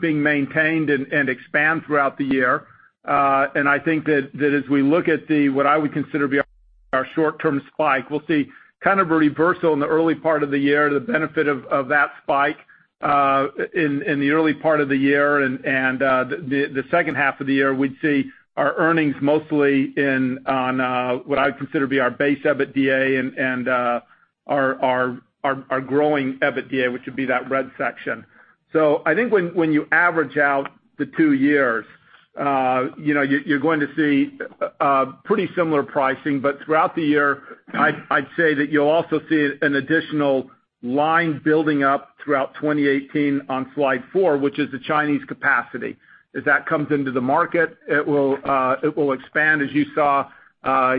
being maintained and expand throughout the year. I think that as we look at what I would consider to be our short-term spike, we'll see kind of a reversal in the early part of the year, the benefit of that spike in the early part of the year. The second half of the year, we'd see our earnings mostly on what I'd consider to be our base EBITDA and our growing EBITDA, which would be that red section. I think when you average out the two years, you're going to see pretty similar pricing. Throughout the year, I'd say that you'll also see an additional line building up throughout 2018 on slide four, which is the Chinese capacity. As that comes into the market, it will expand. As we saw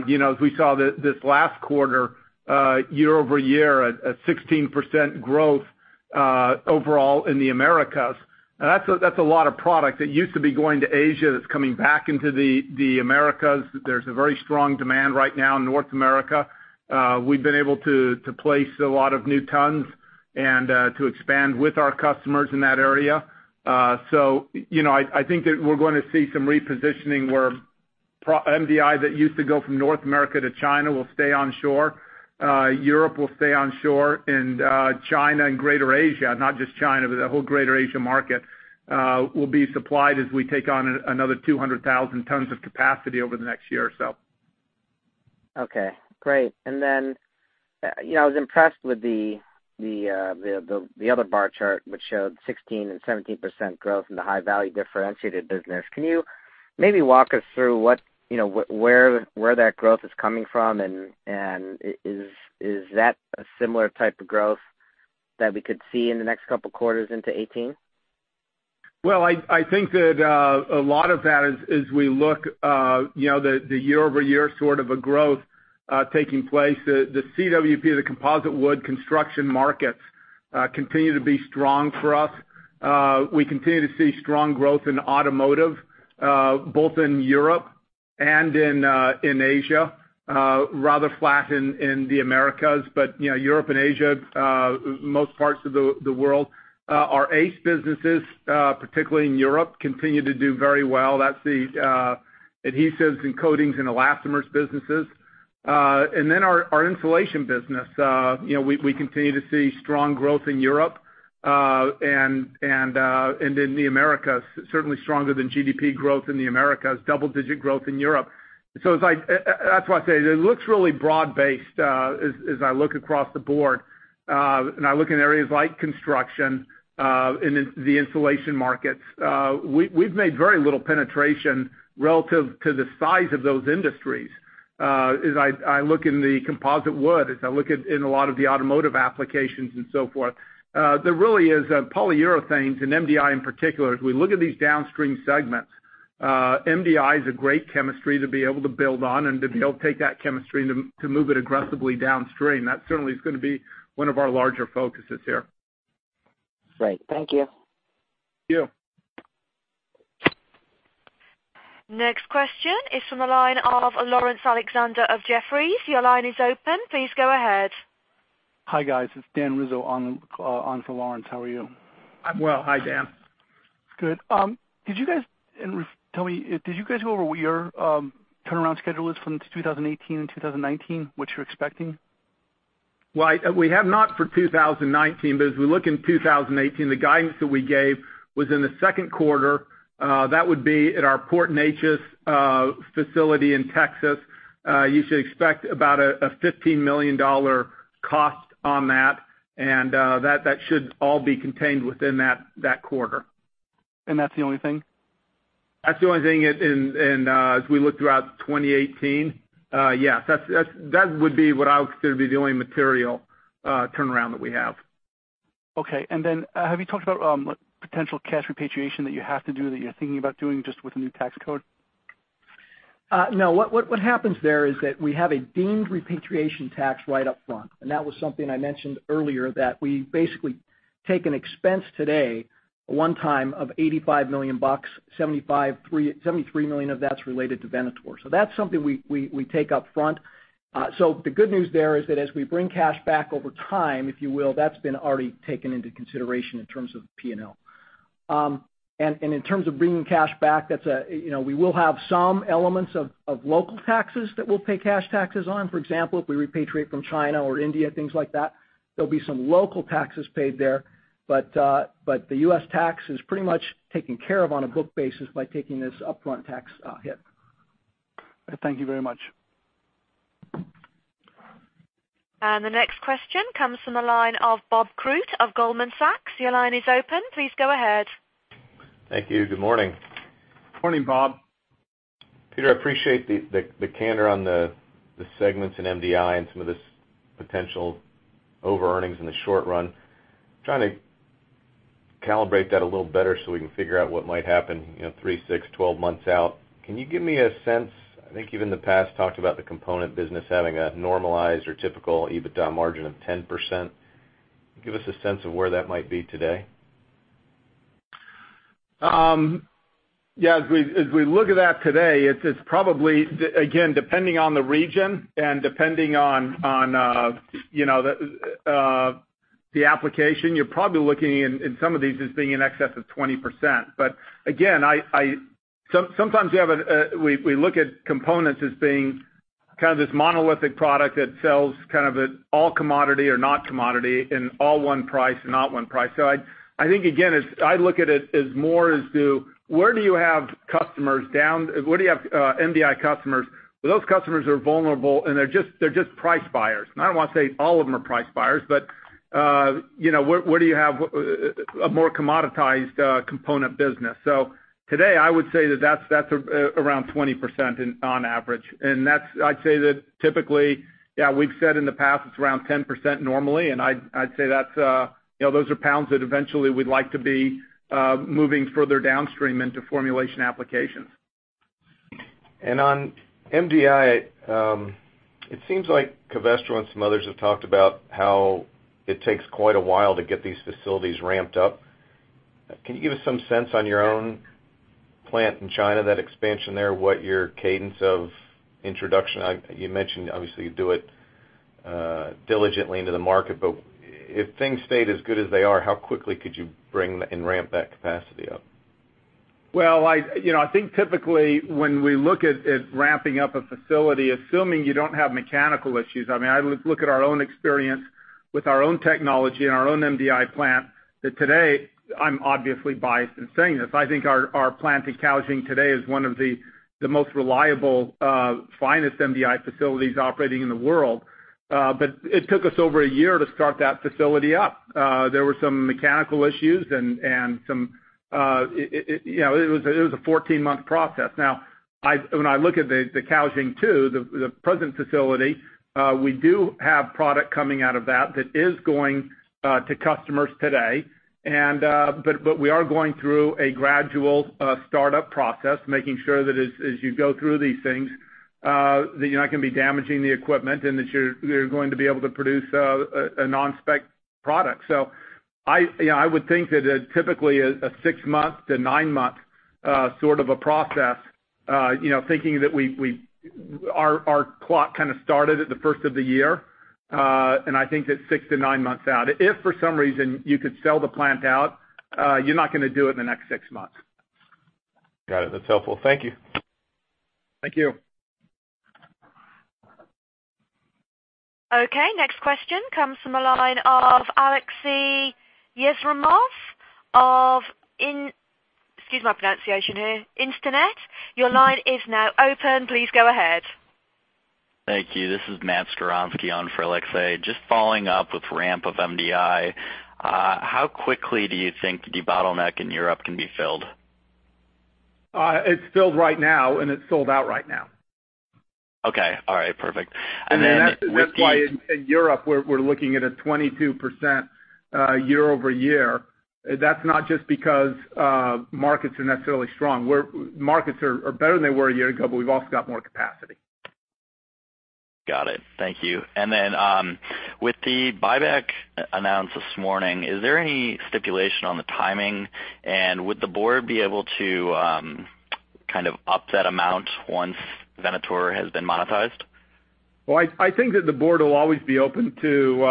this last quarter, year-over-year, a 16% growth overall in the Americas. That's a lot of product that used to be going to Asia that's coming back into the Americas. There's a very strong demand right now in North America. We've been able to place a lot of new tons and to expand with our customers in that area. I think that we're going to see some repositioning where MDI that used to go from North America to China will stay on shore. Europe will stay on shore. China and Greater Asia, not just China, but the whole Greater Asia market, will be supplied as we take on another 200,000 tons of capacity over the next year or so. Okay, great. I was impressed with the other bar chart, which showed 16% and 17% growth in the high-value differentiated business. Can you maybe walk us through where that growth is coming from? Is that a similar type of growth that we could see in the next couple of quarters into 2018? Well, I think that a lot of that is the year-over-year sort of growth taking place. The CWP, the composite wood construction markets continue to be strong for us. We continue to see strong growth in automotive, both in Europe and in Asia. Rather flat in the Americas, but Europe and Asia, most parts of the world. Our ACE businesses, particularly in Europe, continue to do very well. That's the adhesives and coatings and elastomers businesses. Our insulation business. We continue to see strong growth in Europe and in the Americas, certainly stronger than GDP growth in the Americas, double-digit growth in Europe. That's why I say it looks really broad-based as I look across the board, and I look in areas like construction and the insulation markets. We've made very little penetration relative to the size of those industries. As I look in the composite wood, as I look in a lot of the automotive applications and so forth, there really is Polyurethanes and MDI in particular. As we look at these downstream segments, MDI is a great chemistry to be able to build on and to be able to take that chemistry and to move it aggressively downstream. That certainly is going to be one of our larger focuses here. Great. Thank you. Thank you. Next question is from the line of Laurence Alexander of Jefferies. Your line is open. Please go ahead. Hi, guys. It's Dan Rizzo on for Laurence. How are you? I'm well. Hi, Dan. Good. Tell me, did you guys go over what your turnaround schedule is from 2018 and 2019, what you're expecting? Well, we have not for 2019, but as we look in 2018, the guidance that we gave was in the second quarter. That would be at our Port Neches facility in Texas. You should expect about a $15 million cost on that, and that should all be contained within that quarter. That's the only thing? That's the only thing, and as we look throughout 2018, yeah, that would be what I would consider to be the only material turnaround that we have. Okay. Have you talked about potential cash repatriation that you have to do, that you're thinking about doing just with the new tax code? No. What happens there is that we have a deemed repatriation tax right up front, that was something I mentioned earlier, that we basically take an expense today, one time of $85 million, $73 million of that's related to Venator. That's something we take up front. The good news there is that as we bring cash back over time, if you will, that's been already taken into consideration in terms of P&L. In terms of bringing cash back, we will have some elements of local taxes that we'll pay cash taxes on. For example, if we repatriate from China or India, things like that, there'll be some local taxes paid there. The US tax is pretty much taken care of on a book basis by taking this upfront tax hit. Thank you very much. The next question comes from the line of Bob Koort of Goldman Sachs. Your line is open. Please go ahead. Thank you. Good morning. Morning, Bob. Peter, I appreciate the candor on the segments in MDI and some of this potential over-earnings in the short run. Trying to calibrate that a little better so we can figure out what might happen three, six, 12 months out. Can you give me a sense, I think you in the past talked about the component business having a normalized or typical EBITDA margin of 10%. Give us a sense of where that might be today. Yeah. As we look at that today, it's probably, again, depending on the region and depending on the application, you're probably looking in some of these as being in excess of 20%. Again, sometimes we look at components as being kind of this monolithic product that sells kind of an all commodity or not commodity and all one price or not one price. I think again, I look at it as more as to where do you have MDI customers? Those customers are vulnerable, and they're just price buyers. I don't want to say all of them are price buyers, but where do you have a more commoditized component business? Today, I would say that that's around 20% on average. I'd say that typically, yeah, we've said in the past it's around 10% normally. I'd say those are pounds that eventually we'd like to be moving further downstream into formulation applications. On MDI, it seems like Covestro and some others have talked about how it takes quite a while to get these facilities ramped up. Can you give us some sense on your own plant in China, that expansion there, what your cadence of introduction? You mentioned, obviously, you do it diligently into the market. If things stayed as good as they are, how quickly could you bring and ramp that capacity up? Well, I think typically when we look at ramping up a facility, assuming you don't have mechanical issues, I look at our own experience with our own technology and our own MDI plant, that today, I'm obviously biased in saying this. I think our plant in Kaohsiung today is one of the most reliable finest MDI facilities operating in the world. It took us over a year to start that facility up. There were some mechanical issues and it was a 14-month process. Now, when I look at the Kaohsiung 2, the present facility, we do have product coming out of that that is going to customers today. We are going through a gradual startup process, making sure that as you go through these things, that you're not going to be damaging the equipment and that you're going to be able to produce a non-spec product. I would think that typically, a six-month to nine-month sort of a process, thinking that our clock kind of started at the first of the year. I think that's six to nine months out. If for some reason you could sell the plant out, you're not going to do it in the next six months. Got it. That's helpful. Thank you. Thank you. Next question comes from the line of Aleksey Yefremov of, excuse my pronunciation here, Instinet. Your line is now open. Please go ahead. Thank you. This is Matt Skowronski on for Alexei. Just following up with ramp of MDI, how quickly do you think the bottleneck in Europe can be filled? It's filled right now, and it's sold out right now. Okay. All right, perfect. That's why in Europe, we're looking at a 22% year-over-year. That's not just because markets are necessarily strong. Markets are better than they were a year ago, but we've also got more capacity. Got it. Thank you. With the buyback announced this morning, is there any stipulation on the timing? Would the board be able to kind of up that amount once Venator has been monetized? Well, I think that the board will always be open to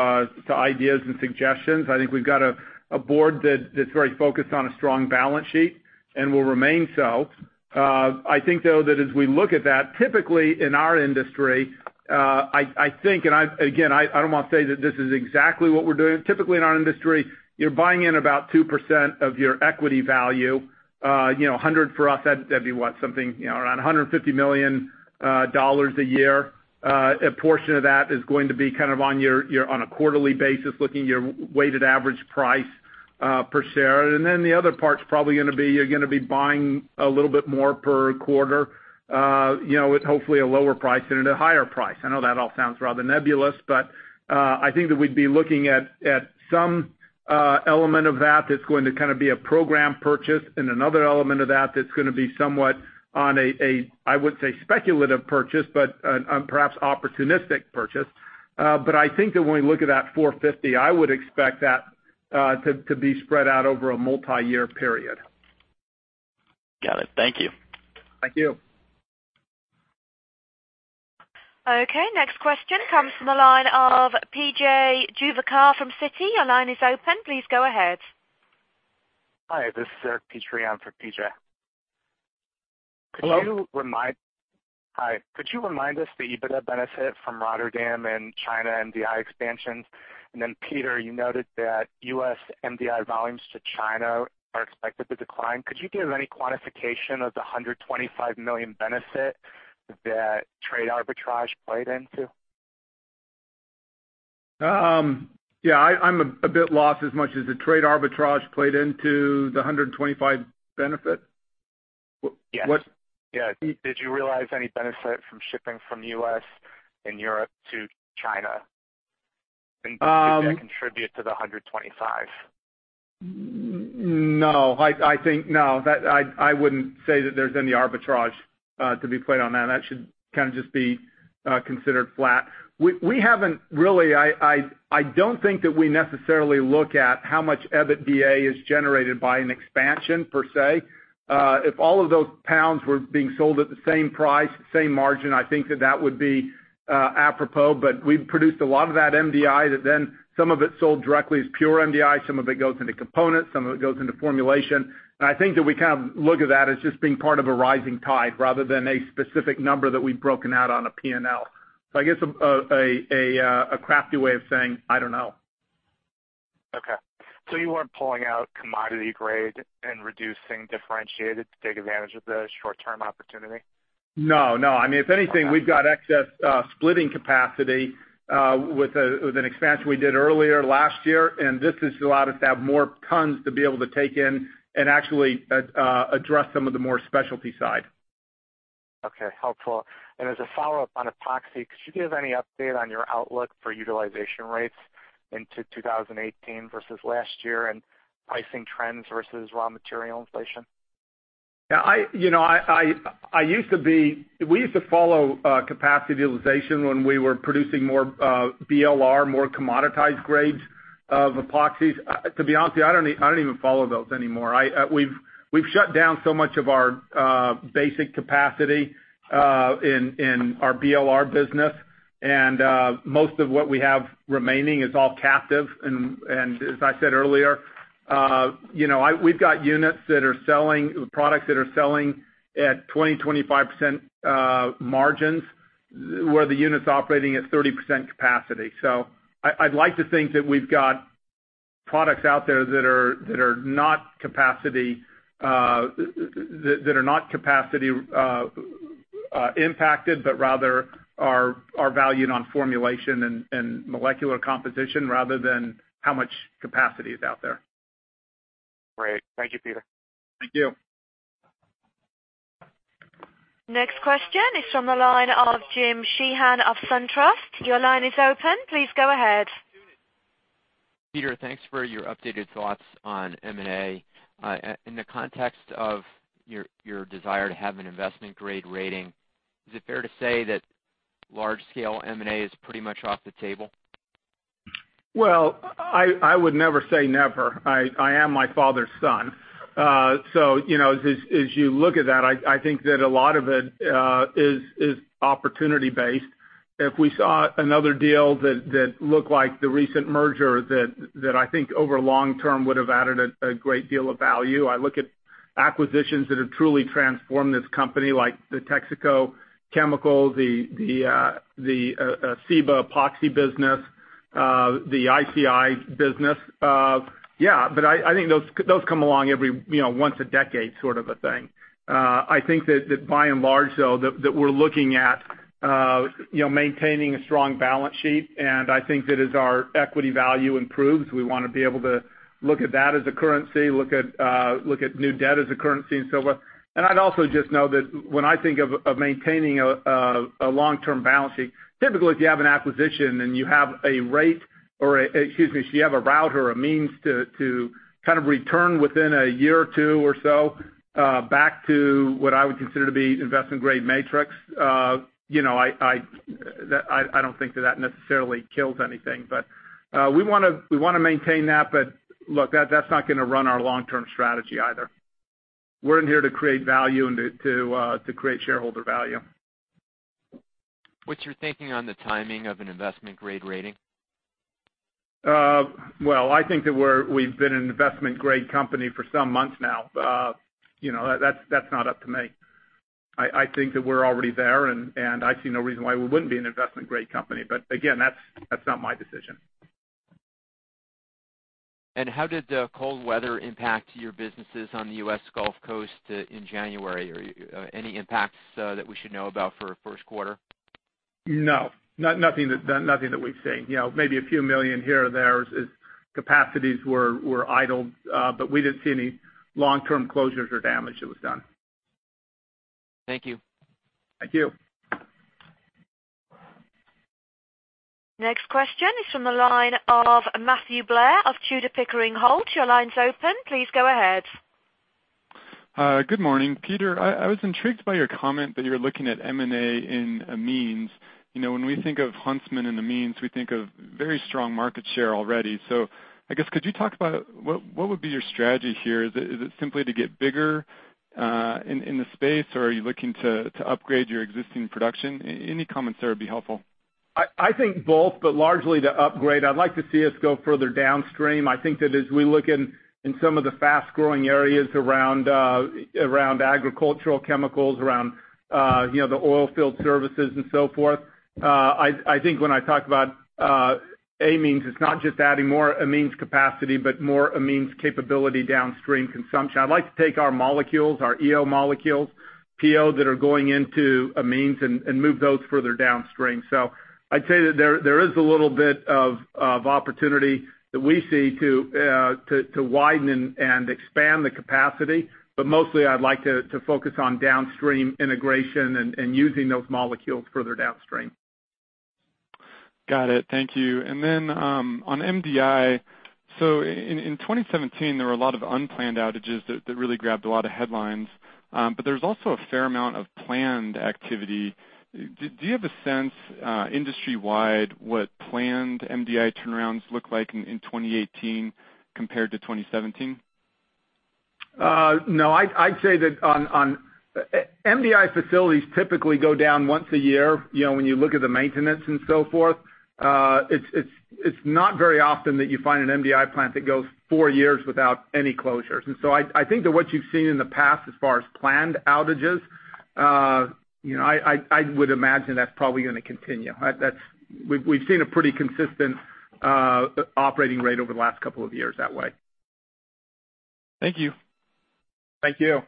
ideas and suggestions. I think we've got a board that's very focused on a strong balance sheet and will remain so. I think, though, that as we look at that, typically in our industry, I think, and again, I don't want to say that this is exactly what we're doing. Typically, in our industry, you're buying in about 2% of your equity value, 100 for us, that'd be what? Something around $150 million a year. A portion of that is going to be kind of on a quarterly basis, looking at your weighted average price per share. The other part's probably you're going to be buying a little bit more per quarter, with hopefully a lower price than at a higher price. I know that all sounds rather nebulous, I think that we'd be looking at some element of that that's going to be a program purchase and another element of that that's going to be somewhat on a, I wouldn't say speculative purchase, perhaps opportunistic purchase. I think that when we look at that $450, I would expect that to be spread out over a multi-year period. Got it. Thank you. Thank you. Okay, next question comes from the line of P.J. Juvekar from Citi. Your line is open. Please go ahead. Hi, this is Eric Petrie for P.J. Hello. Hi. Could you remind us the EBITDA benefit from Rotterdam and China MDI expansions? Peter, you noted that U.S. MDI volumes to China are expected to decline. Could you give any quantification of the $125 million benefit that trade arbitrage played into? Yeah, I'm a bit lost as much as the trade arbitrage played into the $125 benefit. Yes. Did you realize any benefit from shipping from U.S. and Europe to China? Did that contribute to the 125? No, I wouldn't say that there's any arbitrage to be played on that. That should kind of just be considered flat. We haven't really I don't think that we necessarily look at how much EBITDA is generated by an expansion, per se. If all of those pounds were being sold at the same price, same margin, I think that that would be apropos. We've produced a lot of that MDI that some of it's sold directly as pure MDI, some of it goes into components, some of it goes into formulation. I think that we look at that as just being part of a rising tide rather than a specific number that we've broken out on a P&L. I guess a crafty way of saying, I don't know. Okay. You weren't pulling out commodity grade and reducing differentiated to take advantage of the short-term opportunity? No. If anything, we've got excess splitting capacity with an expansion we did earlier last year. This has allowed us to have more tons to be able to take in and actually address some of the more specialty side. Okay. Helpful. As a follow-up on Epoxy, could you give any update on your outlook for utilization rates into 2018 versus last year and pricing trends versus raw material inflation? We used to follow capacity utilization when we were producing more BLR, more commoditized grades of Epoxies. To be honest with you, I don't even follow those anymore. We've shut down so much of our basic capacity in our BLR business, and most of what we have remaining is all captive. As I said earlier, we've got products that are selling at 20%, 25% margins, where the unit's operating at 30% capacity. I'd like to think that we've got products out there that are not capacity impacted, but rather are valued on formulation and molecular composition, rather than how much capacity is out there. Great. Thank you, Peter. Thank you. Next question is from the line of Jim Sheehan of SunTrust. Your line is open. Please go ahead. Peter, thanks for your updated thoughts on M&A. In the context of your desire to have an investment-grade rating, is it fair to say that large scale M&A is pretty much off the table? I would never say never. I am my father's son. As you look at that, I think that a lot of it is opportunity based. If we saw another deal that looked like the recent merger that I think over long term would have added a great deal of value. I look at acquisitions that have truly transformed this company, like the Texaco Chemical, the Ciba Epoxy business, the ICI business. Yeah. I think those come along every once a decade sort of a thing. I think that by and large, though, that we're looking at maintaining a strong balance sheet, and I think that as our equity value improves, we want to be able to look at that as a currency, look at new debt as a currency and so forth. I'd also just note that when I think of maintaining a long-term balance sheet, typically if you have an acquisition and you have a rate, or excuse me, if you have a route or a means to kind of return within a year or two or so back to what I would consider to be investment-grade metrics, I don't think that that necessarily kills anything. We want to maintain that, but look, that's not going to run our long-term strategy either. We're in here to create value and to create shareholder value. What's your thinking on the timing of an investment-grade rating? I think that we've been an investment-grade company for some months now. That's not up to me. I think that we're already there, and I see no reason why we wouldn't be an investment-grade company. Again, that's not my decision. How did the cold weather impact your businesses on the U.S. Gulf Coast in January? Any impacts that we should know about for first quarter? No. Nothing that we've seen. Maybe a few million here or there as capacities were idled, but we didn't see any long-term closures or damage that was done. Thank you. Thank you. Next question is from the line of Matthew Blair of Tudor, Pickering Holt. Your line's open. Please go ahead. Good morning. Peter, I was intrigued by your comment that you were looking at M&A in amines. When we think of Huntsman and amines, we think of very strong market share already. I guess, could you talk about what would be your strategy here? Is it simply to get bigger in the space, or are you looking to upgrade your existing production? Any comments there would be helpful. I think both, but largely to upgrade. I'd like to see us go further downstream. I think that as we look in some of the fast-growing areas around agricultural chemicals, around the oil field services and so forth, I think when I talk about amines, it's not just adding more amines capacity, but more amines capability downstream consumption. I'd like to take our molecules, our EO molecules, PO that are going into amines and move those further downstream. I'd say that there is a little bit of opportunity that we see to widen and expand the capacity. Mostly, I'd like to focus on downstream integration and using those molecules further downstream. Got it. Thank you. On MDI, in 2017, there were a lot of unplanned outages that really grabbed a lot of headlines. There's also a fair amount of planned activity. Do you have a sense, industry-wide, what planned MDI turnarounds look like in 2018 compared to 2017? No. MDI facilities typically go down once a year. When you look at the maintenance and so forth, it's not very often that you find an MDI plant that goes four years without any closures. I think that what you've seen in the past as far as planned outages, I would imagine that's probably going to continue. We've seen a pretty consistent operating rate over the last couple of years that way. Thank you. Thank you.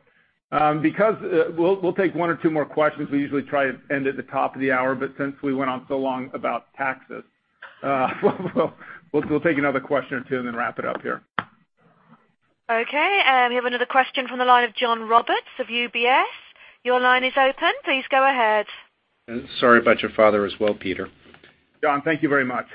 We'll take one or two more questions. We usually try to end at the top of the hour, but since we went on so long about taxes, we'll take another question or two and then wrap it up here. Okay. We have another question from the line of John Roberts of UBS. Your line is open. Please go ahead. Sorry about your father as well, Peter. John, thank you very much.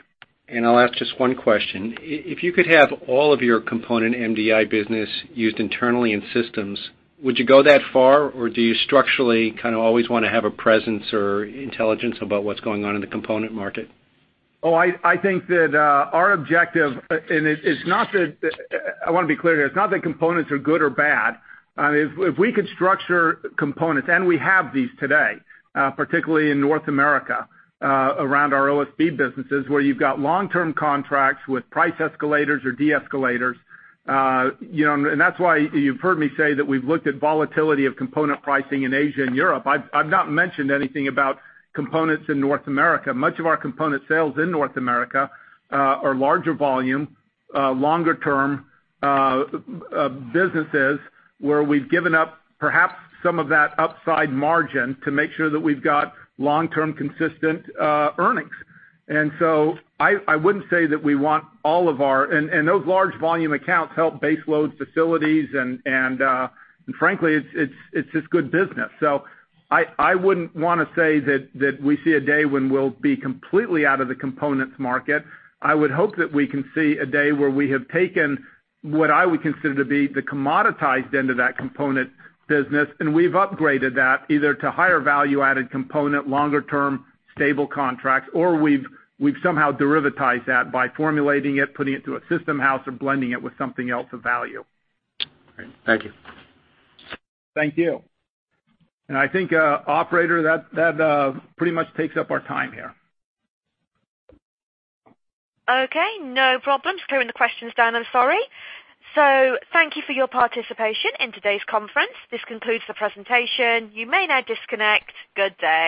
I'll ask just one question. If you could have all of your component MDI business used internally in systems, would you go that far, or do you structurally kind of always want to have a presence or intelligence about what's going on in the component market? I think that our objective, I want to be clear here, it's not that components are good or bad. If we could structure components, and we have these today, particularly in North America, around our OSB businesses, where you've got long-term contracts with price escalators or de-escalators. That's why you've heard me say that we've looked at volatility of component pricing in Asia and Europe. I've not mentioned anything about components in North America. Much of our component sales in North America are larger volume, longer term businesses, where we've given up perhaps some of that upside margin to make sure that we've got long-term consistent earnings. Those large volume accounts help baseload facilities, and frankly, it's just good business. I wouldn't want to say that we see a day when we'll be completely out of the components market. I would hope that we can see a day where we have taken what I would consider to be the commoditized end of that component business, and we've upgraded that either to higher value-added component, longer-term stable contracts, or we've somehow derivatized that by formulating it, putting it to a system house, or blending it with something else of value. Great. Thank you. Thank you. I think, operator, that pretty much takes up our time here. Okay. No problems clearing the questions down, I'm sorry. Thank you for your participation in today's conference. This concludes the presentation. You may now disconnect. Good day.